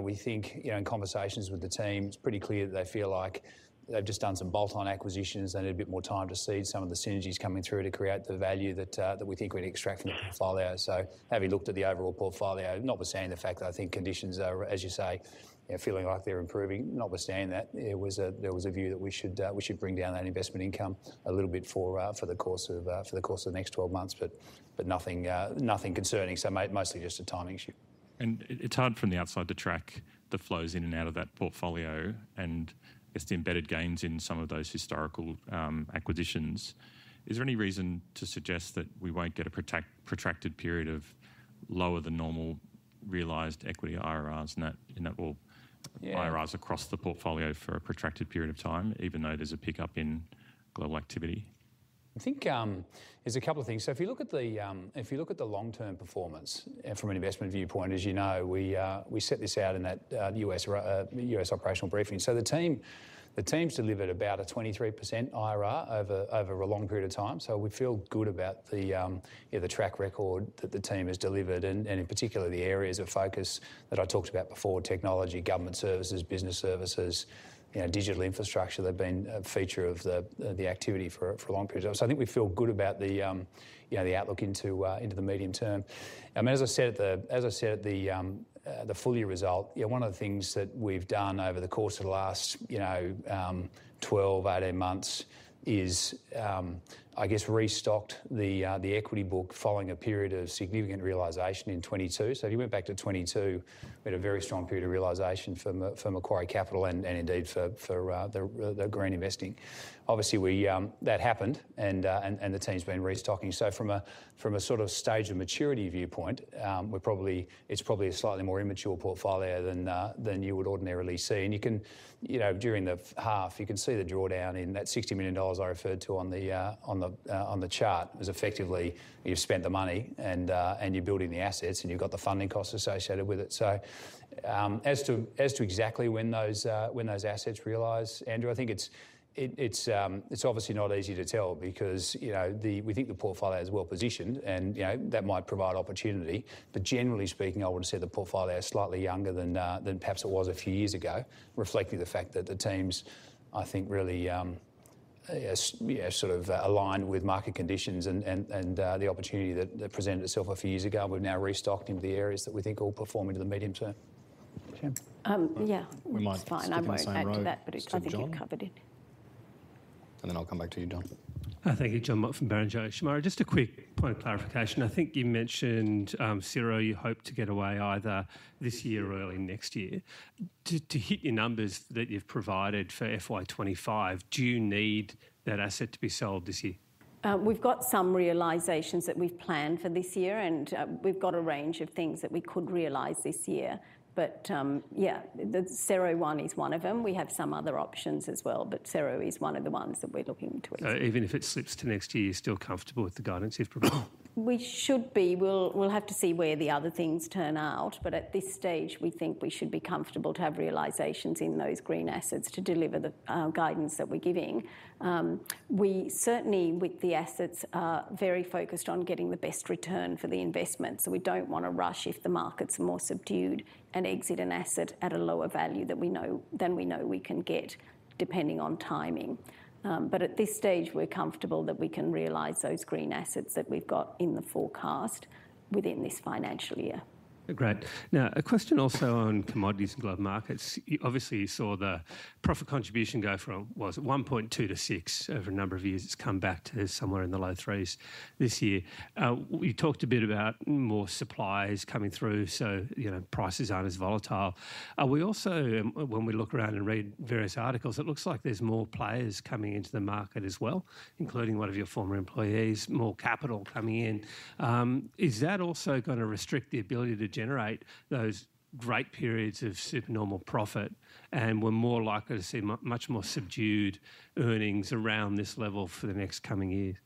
we think in conversations with the team, it's pretty clear that they feel like they've just done some bolt-on acquisitions and a bit more time to see some of the synergies coming through to create the value that we think we'd extract from the portfolio. So having looked at the overall portfolio, notwithstanding the fact that I think conditions are, as you say, feeling like they're improving, notwithstanding that there was a view that we should bring down that investment income a little bit for the course of the next 12 months, but nothing concerning, so mostly just a timing issue. It's hard from the outside to track the flows in and out of that portfolio and just the embedded gains in some of those historical acquisitions. Is there any reason to suggest that we won't get a protracted period of lower than normal realized equity IRRs and that will IRRs across the portfolio for a protracted period of time, even though there's a pickup in global activity? I think there's a couple of things. So if you look at the long-term performance from an investment viewpoint, as you know, we set this out in that U.S. operational briefing. So the team's delivered about a 23% IRR over a long period of time. So we feel good about the track record that the team has delivered and in particular the areas of focus that I talked about before: technology, government services, business services, digital infrastructure. They've been a feature of the activity for a long period. So I think we feel good about the outlook into the medium term. I mean, as I said at the full year result, one of the things that we've done over the course of the last 12-18 months is, I guess, restocked the equity book following a period of significant realization in 2022. So if you went back to 2022, we had a very strong period of realization for Macquarie Capital and indeed for the Group Investing. Obviously, that happened and the team's been restocking. So from a sort of stage of maturity viewpoint, it's probably a slightly more immature portfolio than you would ordinarily see. And during the half, you can see the drawdown in that 60 million dollars I referred to on the chart was effectively you've spent the money and you're building the assets and you've got the funding costs associated with it. So as to exactly when those assets realize, Andrew, I think it's obviously not easy to tell because we think the portfolio is well positioned and that might provide opportunity. But generally speaking, I would say the portfolio is slightly younger than perhaps it was a few years ago, reflecting the fact that the teams, I think, really sort of aligned with market conditions and the opportunity that presented itself a few years ago. We've now restocked into the areas that we think will perform into the medium term. Yeah, it's fine. I might add to that, but it's something you've covered in. And then I'll come back to you, John. Thank you, John Mott from Barrenjoey. Shemara, just a quick point of clarification. I think you mentioned Cero, you hope to get away either this year or early next year. To hit your numbers that you've provided for FY25, do you need that asset to be sold this year? We've got some realizations that we've planned for this year and we've got a range of things that we could realize this year. But yeah, the Cero one is one of them. We have some other options as well, but Cero is one of the ones that we're looking into. So even if it slips to next year, you're still comfortable with the guidance you've provided? We should be. We'll have to see where the other things turn out. But at this stage, we think we should be comfortable to have realizations in those green assets to deliver the guidance that we're giving. We certainly, with the assets, are very focused on getting the best return for the investment. So we don't want to rush if the markets are more subdued and exit an asset at a lower value than we know we can get depending on timing. But at this stage, we're comfortable that we can realize those green assets that we've got in the forecast within this financial year. Great. Now, a question also on Commodities and Global Markets. Obviously, you saw the profit contribution go from, was it 1.2-6 over a number of years. It's come back to somewhere in the low threes this year. You talked a bit about more supplies coming through, so prices aren't as volatile. We also, when we look around and read various articles, it looks like there's more players coming into the market as well, including one of your former employees, more capital coming in. Is that also going to restrict the ability to generate those great periods of supernormal profit and we're more likely to see much more subdued earnings around this level for the next coming years,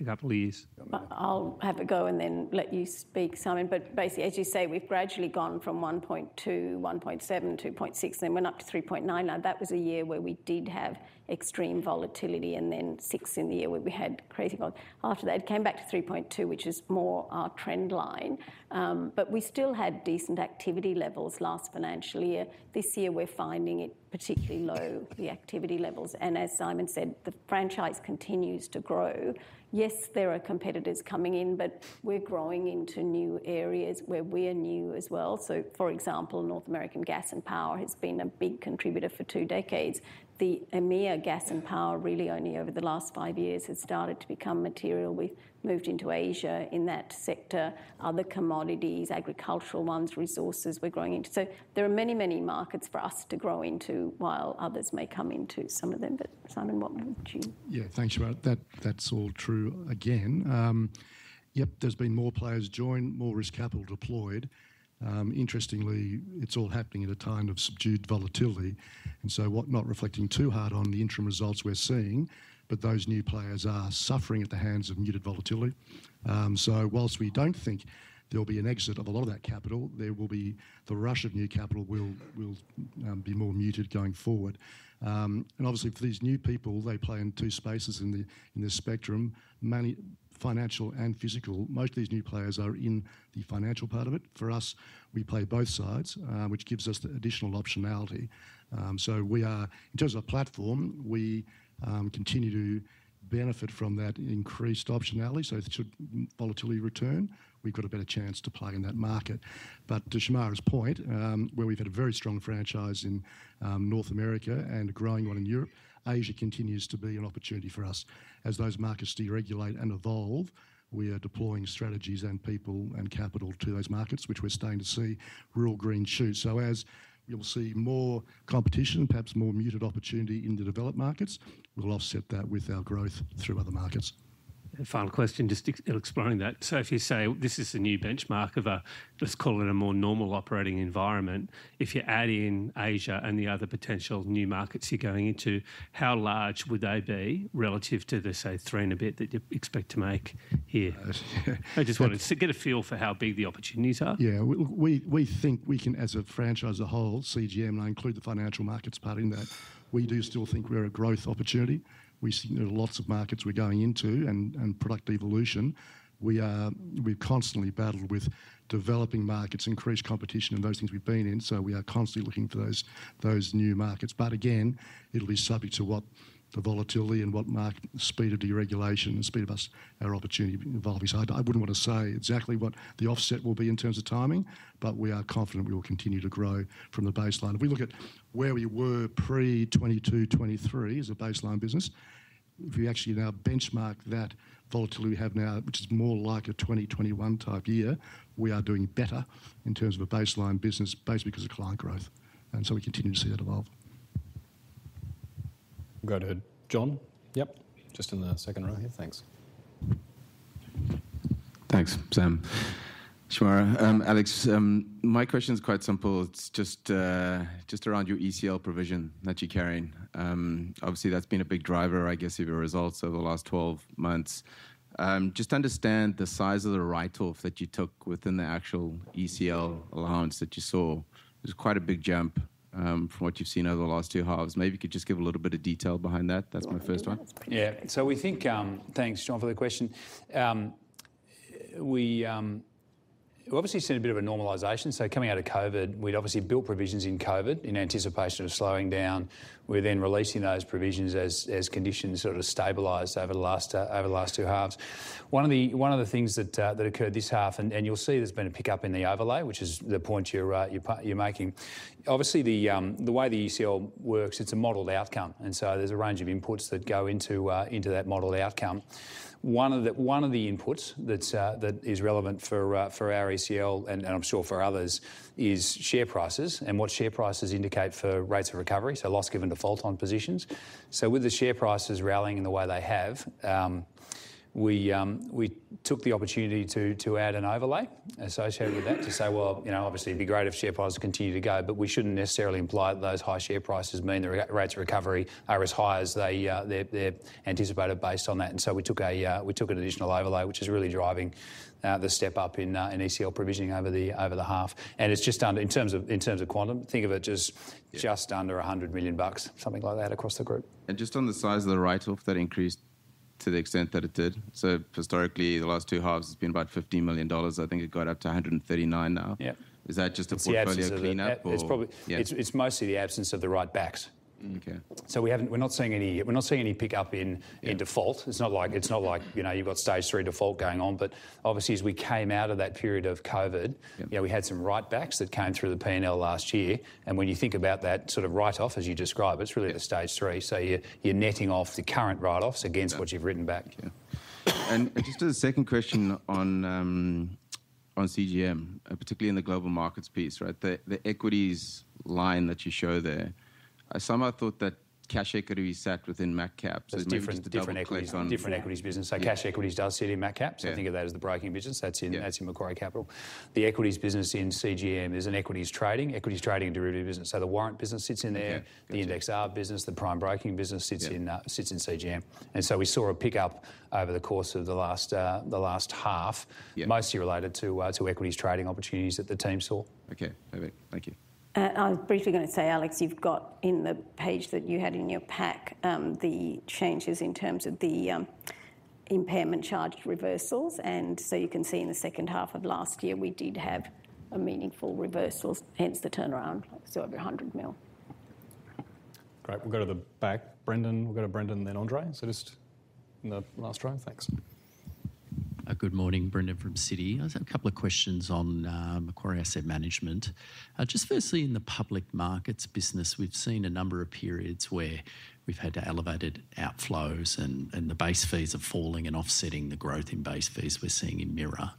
a couple of years? I'll have a go and then let you speak, Simon. But basically, as you say, we've gradually gone from 1.2, 1.7, 2.6, then went up to 3.9. Now, that was a year where we did have extreme volatility and then six in the year where we had crazy volatility. After that, it came back to 3.2, which is more our trend line. But we still had decent activity levels last financial year. This year, we're finding it particularly low, the activity levels. And as Simon said, the franchise continues to grow. Yes, there are competitors coming in, but we're growing into new areas where we are new as well. So, for example, North American Gas and Power has been a big contributor for two decades. The EMEA Gas and Power really only over the last five years has started to become material. We've moved into Asia in that sector, other commodities, agricultural ones, resources we're growing into. So there are many, many markets for us to grow into while others may come into some of them. But Simon, what would you? Yeah, thanks, Shemara. That's all true again. Yep, there's been more players joined, more risk capital deployed. Interestingly, it's all happening at a time of subdued volatility. And so what not reflecting too hard on the interim results we're seeing, but those new players are suffering at the hands of muted volatility. So while we don't think there'll be an exit of a lot of that capital, there will be the rush of new capital will be more muted going forward. And obviously for these new people, they play in two spaces in the spectrum, financial and physical. Most of these new players are in the financial part of it. For us, we play both sides, which gives us additional optionality. So we are, in terms of our platform, we continue to benefit from that increased optionality. So if volatility should return, we've got a better chance to play in that market. But to Shemara's point, where we've had a very strong franchise in North America and a growing one in Europe, Asia continues to be an opportunity for us. As those markets deregulate and evolve, we are deploying strategies and people and capital to those markets, which we're starting to see real green shoots. So as you'll see more competition and perhaps more muted opportunity in the developed markets, we'll offset that with our growth through other markets. Final question, just explaining that. So if you say this is the new benchmark of a, let's call it a more normal operating environment, if you add in Asia and the other potential new markets you're going into, how large would they be relative to the, say, three and a bit that you expect to make here? I just wanted to get a feel for how big the opportunities are. Yeah, we think we can, as a franchise as a whole, CGM, and I include the financial markets part in that, we do still think we're a growth opportunity. We see lots of markets we're going into and product evolution. We've constantly battled with developing markets, increased competition, and those things we've been in. So we are constantly looking for those new markets. But again, it'll be subject to what the volatility and what market speed of deregulation and speed of our opportunity evolving. So I wouldn't want to say exactly what the offset will be in terms of timing, but we are confident we will continue to grow from the baseline. If we look at where we were pre-2022, 2023 as a baseline business, if we actually now benchmark that volatility we have now, which is more like a 2021-type year, we are doing better in terms of a baseline business, basically because of client growth. And so we continue to see that evolve. Go ahead, John. Yep, just in the second row here. Thanks. Thanks, Sam. Shemara, Alex, my question is quite simple. It's just around your ECL provision that you're carrying. Obviously, that's been a big driver, I guess, of your results over the last 12 months. Just understand the size of the write-off that you took within the actual ECL allowance that you saw. It was quite a big jump from what you've seen over the last two halves. Maybe you could just give a little bit of detail behind that. That's my first one. Yeah, so we think. Thanks, John, for the question. We obviously see a bit of a normalization. So coming out of COVID, we'd obviously built provisions in COVID in anticipation of slowing down. We're then releasing those provisions as conditions sort of stabilized over the last two halves. One of the things that occurred this half, and you'll see there's been a pickup in the overlay, which is the point you're making. Obviously, the way the ECL works, it's a modeled outcome. And so there's a range of inputs that go into that modeled outcome. One of the inputs that is relevant for our ECL, and I'm sure for others, is share prices and what share prices indicate for rates of recovery, so loss given default on positions. So with the share prices rallying in the way they have, we took the opportunity to add an overlay associated with that to say, well, obviously it'd be great if share prices continue to go, but we shouldn't necessarily imply that those high share prices mean the rates of recovery are as high as they anticipated based on that. And so we took an additional overlay, which is really driving the step up in ECL provisioning over the half. And it's just under, in terms of quantum, think of it just under 100 million bucks, something like that across the group. And just on the size of the write-off that increased to the extent that it did. So historically, the last two halves, it's been about $15 million. I think it got up to $139 now. Is that just a portfolio cleanup? It's mostly the absence of the write-backs. So we're not seeing any pickup in default. It's not like you've got stage three default going on. But obviously, as we came out of that period of COVID, we had some write-backs that came through the P&L last year. And when you think about that sort of write-off, as you describe, it's really the stage three. So you're netting off the current write-offs against what you've written back. And just as a second question on CGM, particularly in the global markets piece, the equities line that you show there, so I thought that cash equity is sat within Macquarie Capital. There's different equities business. So cash equities does sit in MacCaps. I think of that as the broking business. That's in Macquarie Capital. The equities business in CGM is an equities trading derivative business. So the warrant business sits in there. The index arb business, the prime broking business sits in CGM. And so we saw a pickup over the course of the last half, mostly related to equities trading opportunities that the team saw. Okay, perfect. Thank you. I was briefly going to say, Alex, you've got in the page that you had in your pack, the changes in terms of the impairment charge reversals. And so you can see in the second half of last year, we did have a meaningful reversal, hence the turnaround, so over 100 million. Great. We'll go to the back. Brendan, we'll go to Brendan, then Andrei. So just in the last row, thanks. Good morning, Brendan from Citi. I have a couple of questions on Macquarie Asset Management. Just firstly, in the public markets business, we've seen a number of periods where we've had elevated outflows and the base fees are falling and offsetting the growth in base fees we're seeing in private.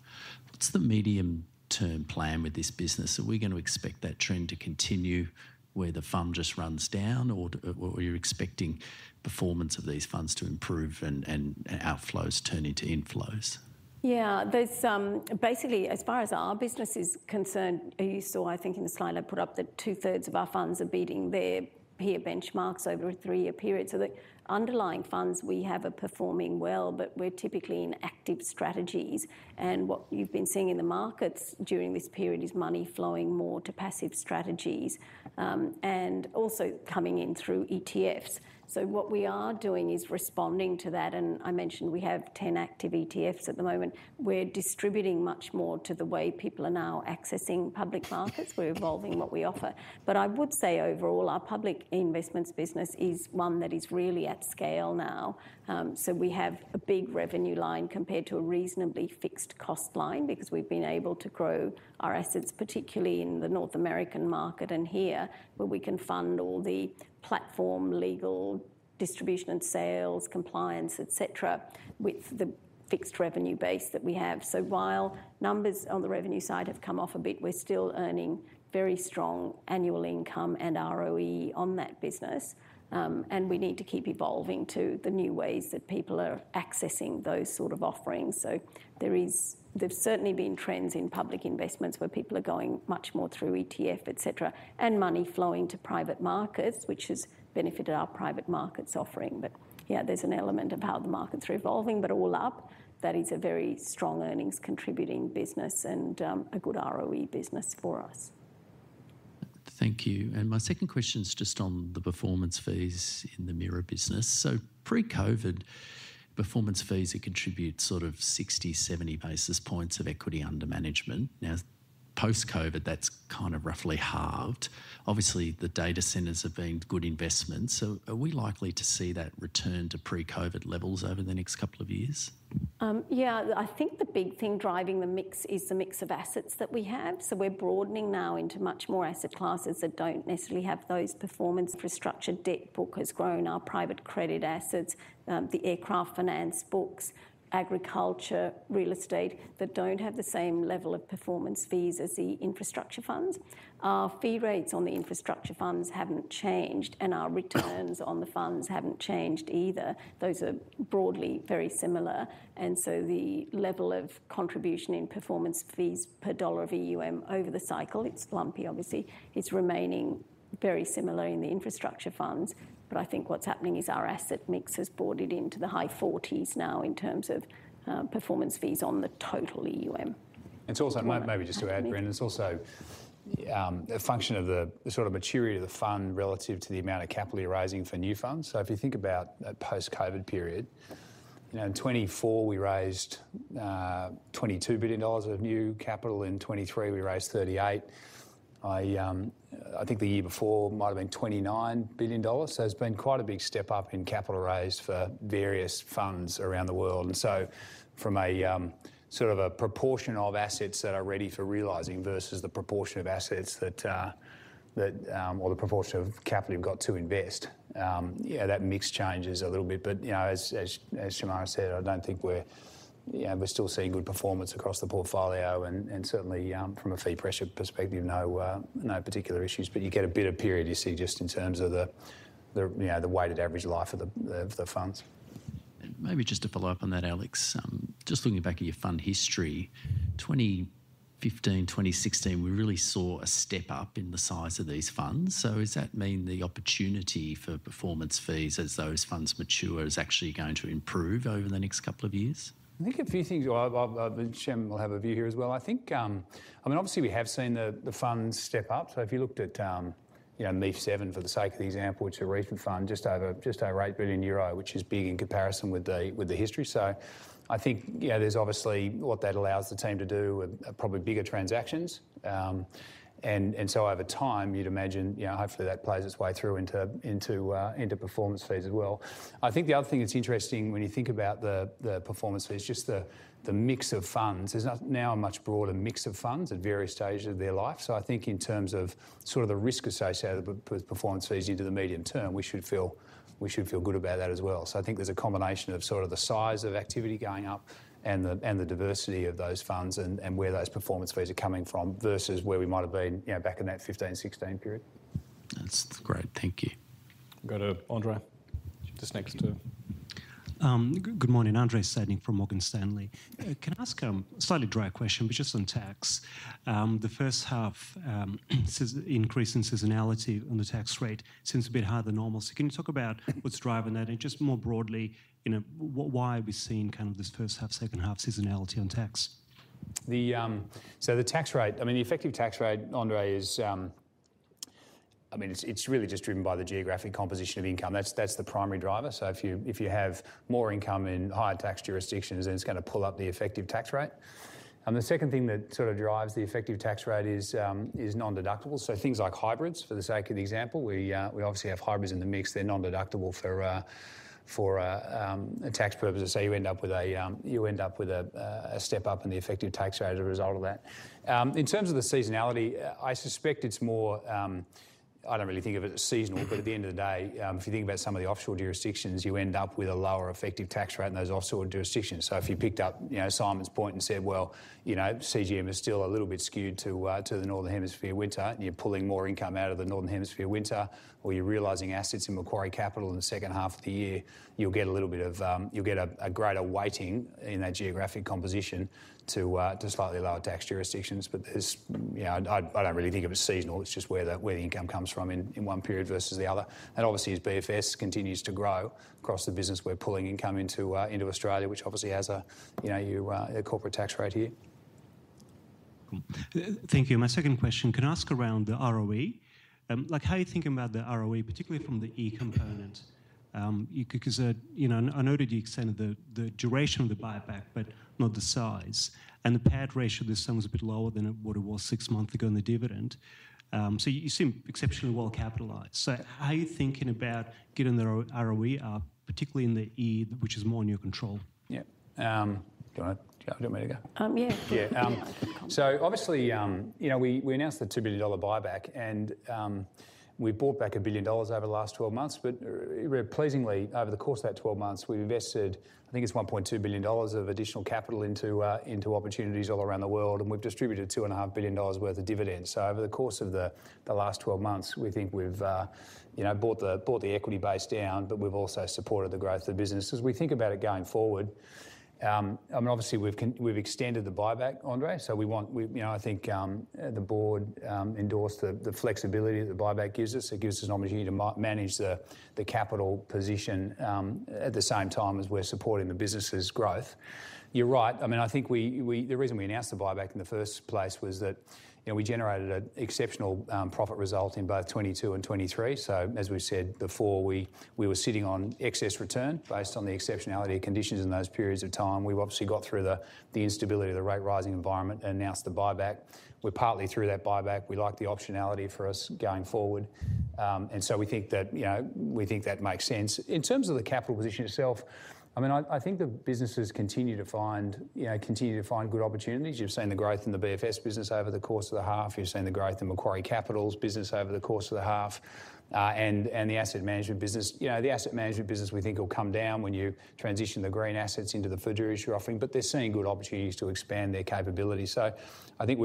What's the medium-term plan with this business? Are we going to expect that trend to continue where the fund just runs down, or are you expecting performance of these funds to improve and outflows turn into inflows? Yeah, basically, as far as our business is concerned, you saw, I think in the slide I put up, that two-thirds of our funds are beating their peer benchmarks over a three-year period. So the underlying funds we have are performing well, but we're typically in active strategies. And what you've been seeing in the markets during this period is money flowing more to passive strategies and also coming in through ETFs. So what we are doing is responding to that. And I mentioned we have 10 active ETFs at the moment. We're distributing much more to the way people are now accessing public markets. We're evolving what we offer. But I would say overall, our public investments business is one that is really at scale now. So we have a big revenue line compared to a reasonably fixed cost line because we've been able to grow our assets, particularly in the North American market and here, where we can fund all the platform, legal, distribution and sales, compliance, etc., with the fixed revenue base that we have. So while numbers on the revenue side have come off a bit, we're still earning very strong annual income and ROE on that business. And we need to keep evolving to the new ways that people are accessing those sort of offerings. So there have certainly been trends in public investments where people are going much more through ETF, etc., and money flowing to private markets, which has benefited our private markets offering. But yeah, there's an element of how the markets are evolving, but all up, that is a very strong earnings contributing business and a good ROE business for us. Thank you. And my second question is just on the performance fees in the MAM business. So pre-COVID, performance fees had contributed sort of 60-70 basis points of equity under management. Now, post-COVID, that's kind of roughly halved. Obviously, the data centers have been good investments. So are we likely to see that return to pre-COVID levels over the next couple of years? Yeah, I think the big thing driving the mix is the mix of assets that we have. So we're broadening now into much more asset classes that don't necessarily have those performance. Infrastructure debt book has grown, our private credit assets, the aircraft finance books, agriculture, real estate that don't have the same level of performance fees as the infrastructure funds. Our fee rates on the infrastructure funds haven't changed and our returns on the funds haven't changed either. Those are broadly very similar. And so the level of contribution in performance fees per dollar of EUM over the cycle, it's lumpy obviously, is remaining very similar in the infrastructure funds. But I think what's happening is our asset mix has broadened into the high 40s now in terms of performance fees on the total EUM. And it's also, maybe just to add, Brendan, it's also a function of the sort of maturity of the fund relative to the amount of capital you're raising for new funds. So if you think about that post-COVID period, in 2024, we raised 22 billion dollars of new capital. In 2023, we raised 38 billion. I think the year before might have been 29 billion dollars. So there's been quite a big step up in capital raised for various funds around the world. And so from a sort of a proportion of assets that are ready for realizing versus the proportion of assets that, or the proportion of capital you've got to invest, that mix changes a little bit. But as Shemara said, I don't think we're still seeing good performance across the portfolio. And certainly, from a fee pressure perspective, no particular issues. But you get a better period, you see, just in terms of the weighted average life of the funds. And maybe just to follow up on that, Alex, just looking back at your fund history, 2015, 2016, we really saw a step up in the size of these funds. So does that mean the opportunity for performance fees as those funds mature is actually going to improve over the next couple of years? I think a few things, Shem will have a view here as well. I think, I mean, obviously we have seen the funds step up. So if you looked at MEIF 7, for the sake of the example, which is a recent fund, just over 8 billion euro, which is big in comparison with the history. So I think there's obviously what that allows the team to do with probably bigger transactions. And so over time, you'd imagine hopefully that plays its way through into performance fees as well. I think the other thing that's interesting when you think about the performance fee is just the mix of funds. There's now a much broader mix of funds at various stages of their life. So I think in terms of sort of the risk associated with performance fees into the medium term, we should feel good about that as well. I think there's a combination of sort of the size of activity going up and the diversity of those funds and where those performance fees are coming from versus where we might have been back in that 2015, 2016 period. That's great. Thank you. We've got Andrei just next to. Good morning. Andrei Stadnik from Morgan Stanley. Can I ask a slightly dry question, but just on tax. The first half increase in seasonality on the tax rate seems a bit higher than normal. So can you talk about what's driving that? And just more broadly, why are we seeing kind of this first half, second half seasonality on tax? The tax rate, I mean, the effective tax rate, Andrei, is, I mean, it's really just driven by the geographic composition of income. That's the primary driver. So if you have more income in higher tax jurisdictions, then it's going to pull up the effective tax rate. And the second thing that sort of drives the effective tax rate is non-deductibles. So things like hybrids, for the sake of the example, we obviously have hybrids in the mix. They're non-deductible for a tax purpose. So you end up with a step up in the effective tax rate as a result of that. In terms of the seasonality, I suspect it's more, I don't really think of it as seasonal, but at the end of the day, if you think about some of the offshore jurisdictions, you end up with a lower effective tax rate in those offshore jurisdictions. So if you picked up Simon's point and said, well, CGM is still a little bit skewed to the northern hemisphere winter, and you're pulling more income out of the northern hemisphere winter, or you're realizing assets in Macquarie Capital in the second half of the year, you'll get a little bit of, you'll get a greater weighting in that geographic composition to slightly lower tax jurisdictions. But I don't really think of it as seasonal. It's just where the income comes from in one period versus the other. And obviously, as BFS continues to grow across the business, we're pulling income into Australia, which obviously has a corporate tax rate here. Thank you. My second question, can I ask about the ROE? Like, how are you thinking about the ROE, particularly from the E component? Because I noted the extent of the duration of the buyback, but not the size, and the payout ratio this sum is a bit lower than what it was six months ago in the dividend. So you seem exceptionally well capitalized. So how are you thinking about getting the ROE up, particularly in the E, which is more in your control? So obviously, we announced the AUD 2 billion buyback, and we bought back 1 billion dollars over the last 12 months. But pleasingly, over the course of that 12 months, we've invested, I think it's 1.2 billion dollars of additional capital into opportunities all around the world. And we've distributed 2.5 billion dollars worth of dividends. So over the course of the last 12 months, we think we've bought the equity base down, but we've also supported the growth of the business. As we think about it going forward, I mean, obviously, we've extended the buyback, Andrei. So I think the board endorsed the flexibility that the buyback gives us. It gives us an opportunity to manage the capital position at the same time as we're supporting the business's growth. You're right. I mean, I think the reason we announced the buyback in the first place was that we generated an exceptional profit result in both 2022 and 2023. So as we said before, we were sitting on excess return based on the exceptionality conditions in those periods of time. We've obviously got through the instability of the rate rising environment and announced the buyback. We're partly through that buyback. We like the optionality for us going forward. And so we think that makes sense. In terms of the capital position itself, I mean, I think the businesses continue to find good opportunities. You've seen the growth in the BFS business over the course of the half. You've seen the growth in Macquarie Capital's business over the course of the half and the asset management business. The asset management business, we think, will come down when you transition the green assets into the fiduciary offering. But they're seeing good opportunities to expand their capability. So I think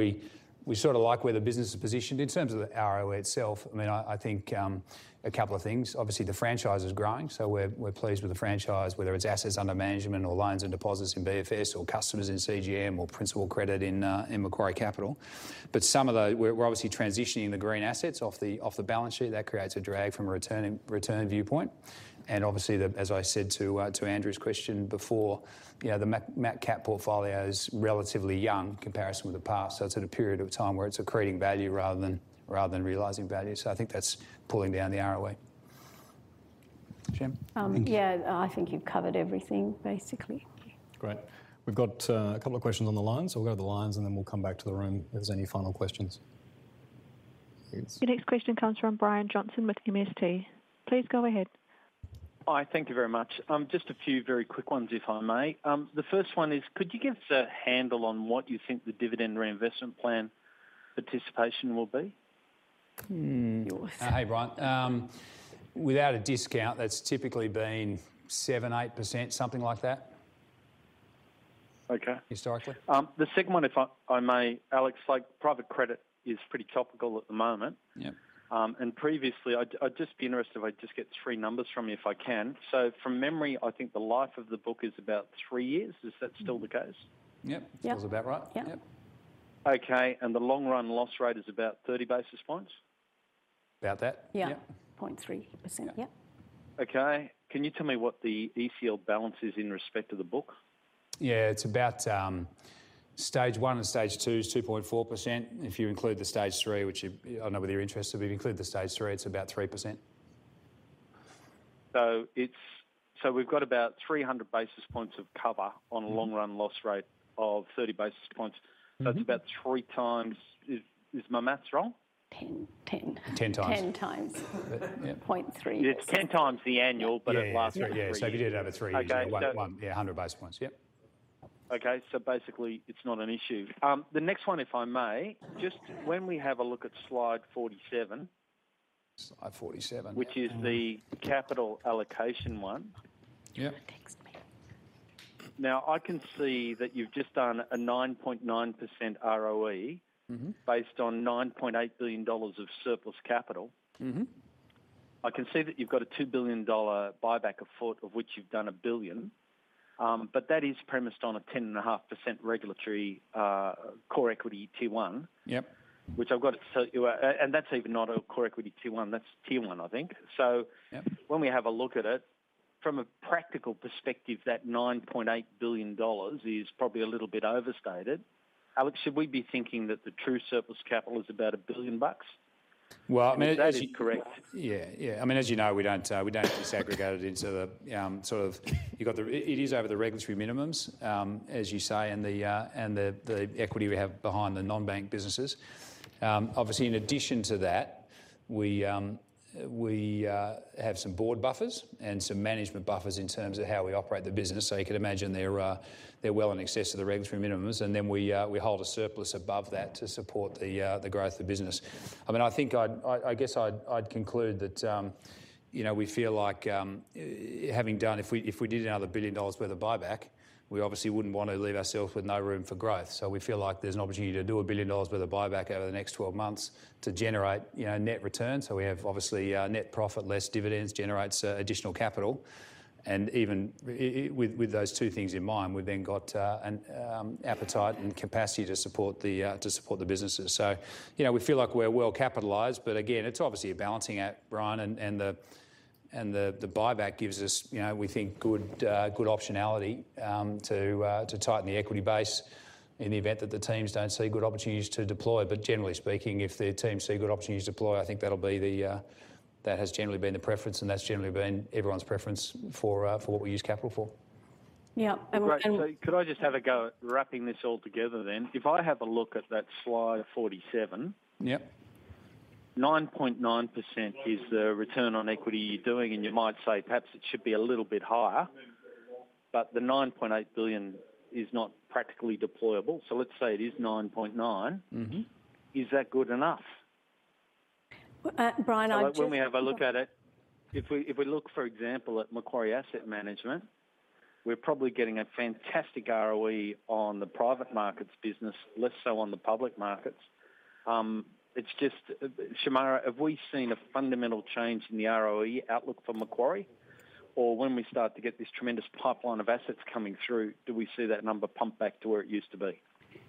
we sort of like where the business is positioned in terms of the ROE itself. I mean, I think a couple of things. Obviously, the franchise is growing. So we're pleased with the franchise, whether it's assets under management or loans and deposits in BFS or customers in CGM or principal credit in Macquarie Capital. But some of the, we're obviously transitioning the green assets off the balance sheet. That creates a drag from a return viewpoint. And obviously, as I said to Andrew's question before, the Mac Cap portfolio is relatively young in comparison with the past. So it's at a period of time where it's accreting value rather than realizing value. So I think that's pulling down the ROE. Yeah, I think you've covered everything, basically. Great. We've got a couple of questions on the line. So we'll go to the lines and then we'll come back to the room if there's any final questions. The next question comes from Brian Johnson with MST. Please go ahead. Hi, thank you very much. Just a few very quick ones, if I may. The first one is, could you give us a handle on what you think the dividend reinvestment plan participation will be? Hey, Brian. Without a discount, that's typically been 7-8%, something like that, historically. The second one, if I may, Alex, like private credit is pretty topical at the moment. And previously, I'd just be interested if I just get three numbers from you if I can. So from memory, I think the life of the book is about three years. Is that still the case? Yep. Sounds about right. Yep. Okay. And the long run loss rate is about 30 basis points? About that? Yeah. 0.3%. Yep. Okay. Can you tell me what the ECL balance is in respect to the book? Yeah. It's about stage one and stage two is 2.4%. If you include the stage three, which I know with your interest, if you include the stage three, it's about 3%. So we've got about 300 basis points of cover on a long run loss rate of 30 basis points. So it's about three times, is my math wrong? 10x. 10x. 0.3%. It's 10 times the annual, but it lasts for three years. So if you did it over three years, it's like that one. Yeah, 100 basis points. Yep. Okay. So basically, it's not an issue. The next one, if I may, just when we have a look at slide 47. Which is the capital allocation one. Yeah. Now, I can see that you've just done a 9.9% ROE based on 9.8 billion dollars of surplus capital. I can see that you've got a 2 billion dollar buyback afoot, of which you've done a billion. But that is premised on a 10.5% regulatory core equity T1, which I've got to tell you, and that's even not a core equity T1. That's T1, I think. So when we have a look at it, from a practical perspective, that 9.8 billion dollars is probably a little bit overstated. Alex, should we be thinking that the true surplus capital is about 1 billion bucks? Well, actually, correct. Yeah. Yeah. I mean, as you know, we don't disaggregate it into the sort of, it is over the regulatory minimums, as you say, and the equity we have behind the non-bank businesses. Obviously, in addition to that, we have some board buffers and some management buffers in terms of how we operate the business. So you could imagine they're well in excess of the regulatory minimums. And then we hold a surplus above that to support the growth of the business. I mean, I think, I guess I'd conclude that we feel like having done, if we did another 1 billion dollars worth of buyback, we obviously wouldn't want to leave ourselves with no room for growth. So we feel like there's an opportunity to do 1 billion dollars worth of buyback over the next 12 months to generate net return. So we have obviously net profit, less dividends, generates additional capital. And even with those two things in mind, we've then got an appetite and capacity to support the businesses. So we feel like we're well capitalized. But again, it's obviously a balancing act, Brian. And the buyback gives us, we think, good optionality to tighten the equity base in the event that the teams don't see good opportunities to deploy. But generally speaking, if the teams see good opportunities to deploy, I think that'll be the, that has generally been the preference, and that's generally been everyone's preference for what we use capital for. Yeah. So could I just have a go at wrapping this all together then? If I have a look at that slide of 47, 9.9% is the return on equity you're doing. And you might say perhaps it should be a little bit higher, but the 9.8 billion is not practically deployable. So let's say it is 9.9. Is that good enough? Brian, I just. When we have a look at it, if we look, for example, at Macquarie Asset Management, we're probably getting a fantastic ROE on the private markets business, less so on the public markets. It's just, Shemara, have we seen a fundamental change in the ROE outlook for Macquarie? Or when we start to get this tremendous pipeline of assets coming through, do we see that number pump back to where it used to be?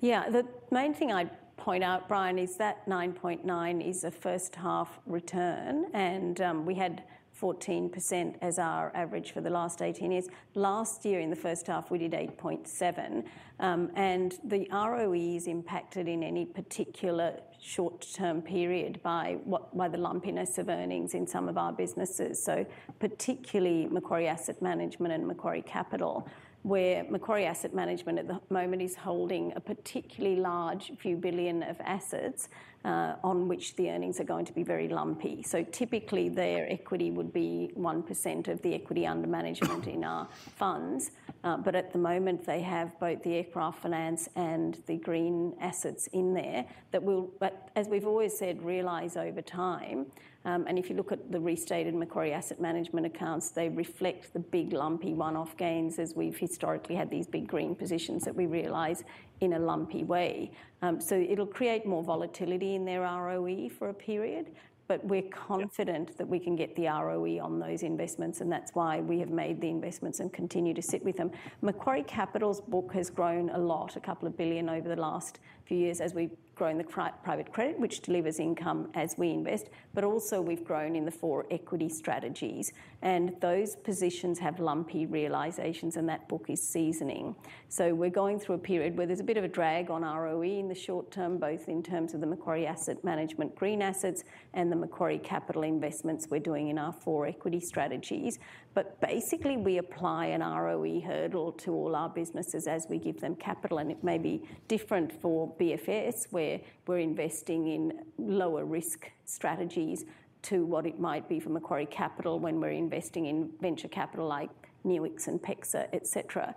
Yeah. The main thing I'd point out, Brian, is that 9.9% is a first half return, and we had 14% as our average for the last 18 years. Last year, in the first half, we did 8.7%. The ROE is impacted in any particular short-term period by the lumpiness of earnings in some of our businesses, so particularly Macquarie Asset Management and Macquarie Capital, where Macquarie Asset Management at the moment is holding a particularly large few billion of assets on which the earnings are going to be very lumpy, so typically, their equity would be 1% of the equity under management in our funds. But at the moment, they have both the aircraft finance and the green assets in there that will, as we've always said, realize over time. And if you look at the restated Macquarie Asset Management accounts, they reflect the big lumpy one-off gains as we've historically had these big green positions that we realize in a lumpy way. So it'll create more volatility in their ROE for a period, but we're confident that we can get the ROE on those investments. And that's why we have made the investments and continue to sit with them. Macquarie Capital's book has grown a lot, a couple of billion over the last few years as we've grown the private credit, which delivers income as we invest. But also, we've grown in the four equity strategies. And those positions have lumpy realizations, and that book is seasoning. So we're going through a period where there's a bit of a drag on ROE in the short term, both in terms of the Macquarie Asset Management green assets and the Macquarie Capital investments we're doing in our four equity strategies. But basically, we apply an ROE hurdle to all our businesses as we give them capital. And it may be different for BFS, where we're investing in lower risk strategies to what it might be for Macquarie Capital when we're investing in venture capital like NUIX and PEXA, etc.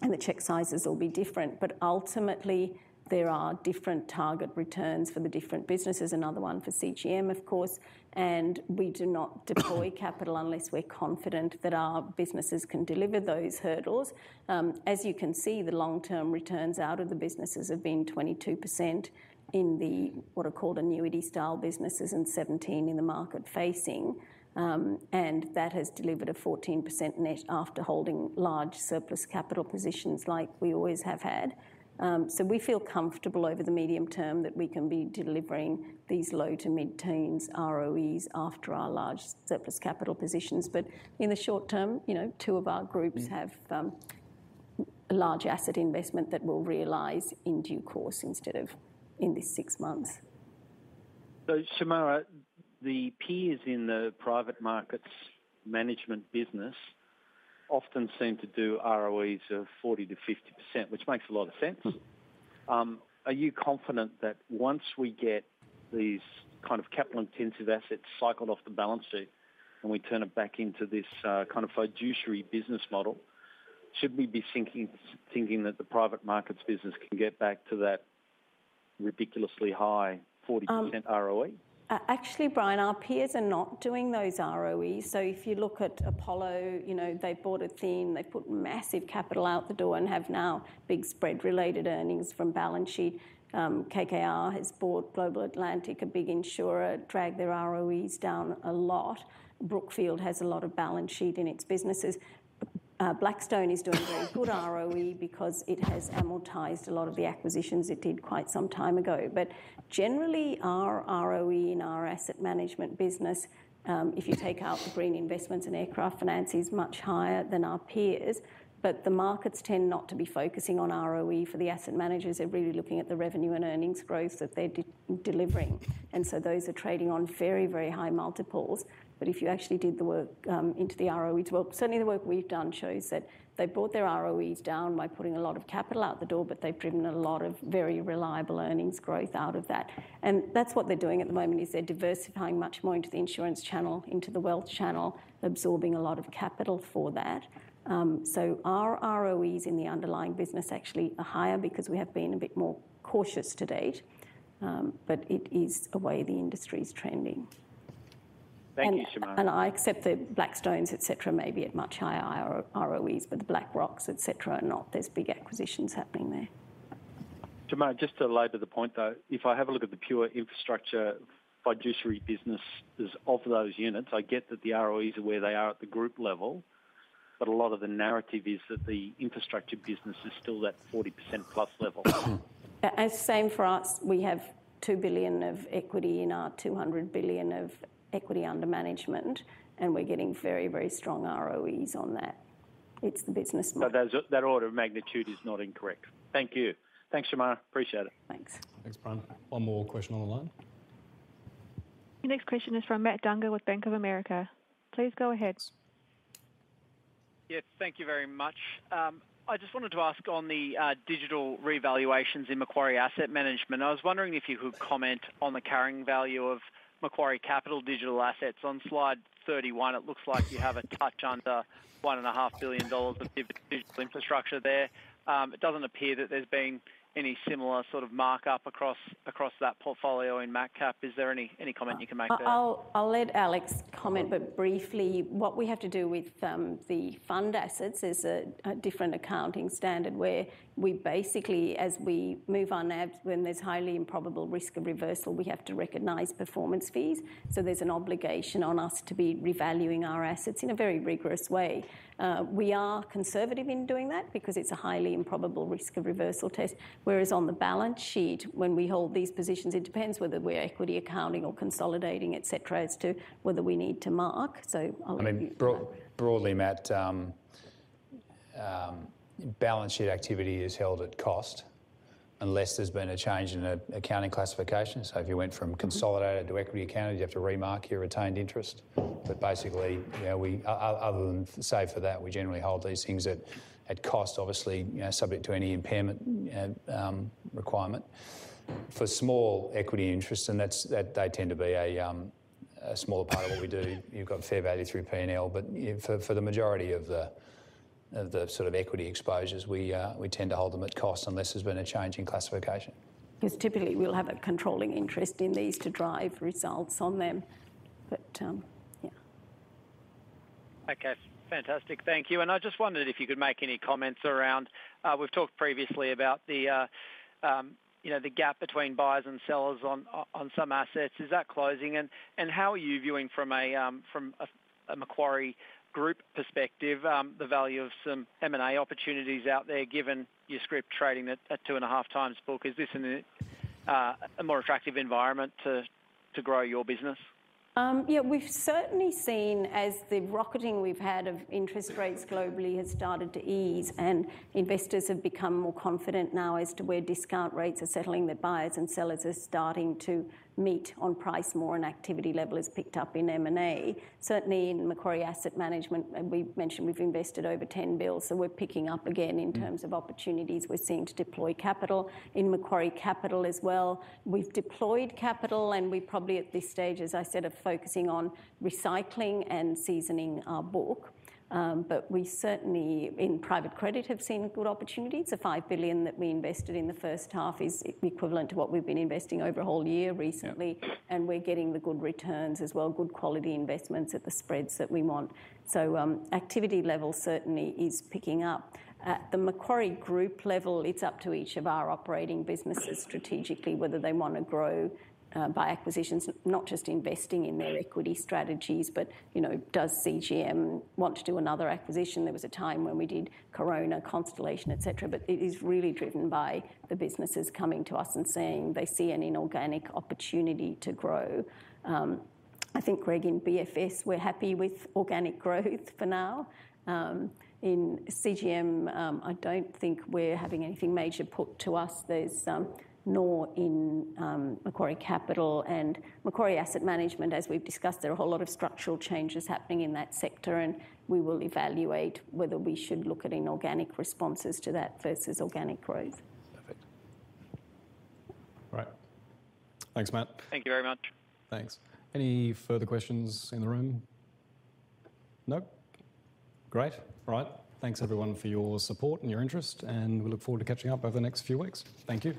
And the check sizes will be different. But ultimately, there are different target returns for the different businesses. Another one for CGM, of course. And we do not deploy capital unless we're confident that our businesses can deliver those hurdles. As you can see, the long-term returns out of the businesses have been 22% in the what are called annuity-style businesses and 17% in the market-facing. And that has delivered a 14% net after holding large surplus capital positions like we always have had. We feel comfortable over the medium term that we can be delivering these low to mid-teens ROEs after our large surplus capital positions. In the short term, two of our groups have large asset investment that will realize in due course instead of in these six months. Shemaara, the P is in the private markets management business, often seem to do ROEs of 40%-50%, which makes a lot of sense. Are you confident that once we get these kind of capital-intensive assets cycled off the balance sheet and we turn it back into this kind of fiduciary business model, should we be thinking that the private markets business can get back to that ridiculously high 40% ROE? Actually, Brian, our peers are not doing those ROEs. So if you look at Apollo, they bought Athene. They put massive capital out the door and have now big spread-related earnings from balance sheet. KKR has bought Global Atlantic, a big insurer, dragged their ROEs down a lot. Brookfield has a lot of balance sheet in its businesses. Blackstone is doing very good ROE because it has amortized a lot of the acquisitions it did quite some time ago. But generally, our ROE in our asset management business, if you take out the green investments and aircraft finance, is much higher than our peers. But the markets tend not to be focusing on ROE for the asset managers. They're really looking at the revenue and earnings growth that they're delivering. And so those are trading on very, very high multiples. But if you actually did the work into the ROE as well, certainly the work we've done shows that they've brought their ROEs down by putting a lot of capital out the door, but they've driven a lot of very reliable earnings growth out of that. And that's what they're doing at the moment is they're diversifying much more into the insurance channel, into the wealth channel, absorbing a lot of capital for that. So our ROEs in the underlying business actually are higher because we have been a bit more cautious to date. But it is a way the industry is trending. Thank you, Shemara. And I accept that Blackstone, etc., may be at much higher ROEs, but the BlackRock, etc., are not. There's big acquisitions happening there. Shemara, just to add to the point, though, if I have a look at the pure infrastructure fiduciary businesses of those units, I get that the ROEs are where they are at the group level. But a lot of the narrative is that the infrastructure business is still that 40%+ level. Same for us. We have 2 billion of equity in our 200 billion of equity under management, and we're getting very, very strong ROEs on that. It's the business model. So that order of magnitude is not incorrect. Thank you. Thanks, Shemara. Appreciate it. Thanks. Thanks, Brian. One more question on the line. The next question is from Matthew Dunger with Bank of America. Please go ahead. Yes. Thank you very much. I just wanted to ask on the digital revaluations in Macquarie Asset Management. I was wondering if you could comment on the carrying value of Macquarie Capital digital assets. On slide 31, it looks like you have a touch under 1.5 billion dollars of digital infrastructure there. It doesn't appear that there's been any similar sort of markup across that portfolio in MATCAP. Is there any comment you can make there? I'll let Alex comment, but briefly, what we have to do with the fund assets is a different accounting standard where we basically, as we move our NABs, when there's highly improbable risk of reversal, we have to recognize performance fees. So there's an obligation on us to be revaluing our assets in a very rigorous way. We are conservative in doing that because it's a highly improbable risk of reversal test. Whereas on the balance sheet, when we hold these positions, it depends whether we're equity accounting or consolidating, etc., as to whether we need to mark. So I'll let you. I mean, broadly, Matt, balance sheet activity is held at cost unless there's been a change in accounting classification. So if you went from consolidated to equity accounted, you have to remark your retained interest. But basically, other than save for that, we generally hold these things at cost, obviously subject to any impairment requirement for small equity interests. And they tend to be a smaller part of what we do. You've got fair value through P&L. But for the majority of the sort of equity exposures, we tend to hold them at cost unless there's been a change in classification. Because typically, we'll have a controlling interest in these to drive results on them. But yeah. Okay. Fantastic. Thank you. And I just wondered if you could make any comments around. We've talked previously about the gap between buyers and sellers on some assets. Is that closing? And how are you viewing from a Macquarie Group perspective the value of some M&A opportunities out there given your scrip trading at two and a half times book? Is this a more attractive environment to grow your business? Yeah. We've certainly seen, as the rocketing we've had of interest rates globally has started to ease and investors have become more confident now as to where discount rates are settling, that buyers and sellers are starting to meet on price more and activity level is picked up in M&A. Certainly in Macquarie Asset Management, we mentioned we've invested over 10 billion, so we're picking up again in terms of opportunities. We're seeing to deploy capital in Macquarie Capital as well. We've deployed capital and we probably at this stage, as I said, are focusing on recycling and seasoning our book, but we certainly in private credit have seen good opportunities. The 5 billion that we invested in the first half is equivalent to what we've been investing over a whole year recently, and we're getting the good returns as well, good quality investments at the spreads that we want. Activity level certainly is picking up. At the Macquarie Group level, it's up to each of our operating businesses strategically whether they want to grow by acquisitions, not just investing in their equity strategies, but does CGM want to do another acquisition? There was a time when we did Corona, Constellation, etc. But it is really driven by the businesses coming to us and saying they see an inorganic opportunity to grow. I think Greg in BFS, we're happy with organic growth for now. In CGM, I don't think we're having anything major put to us. There's no in Macquarie Capital and Macquarie Asset Management, as we've discussed, there are a whole lot of structural changes happening in that sector. We will evaluate whether we should look at inorganic responses to that versus organic growth. Perfect. All right. Thanks, Matt. Thank you very much. Thanks. Any further questions in the room? No? Great. All right. Thanks, everyone, for your support and your interest. And we look forward to catching up over the next few weeks. Thank you.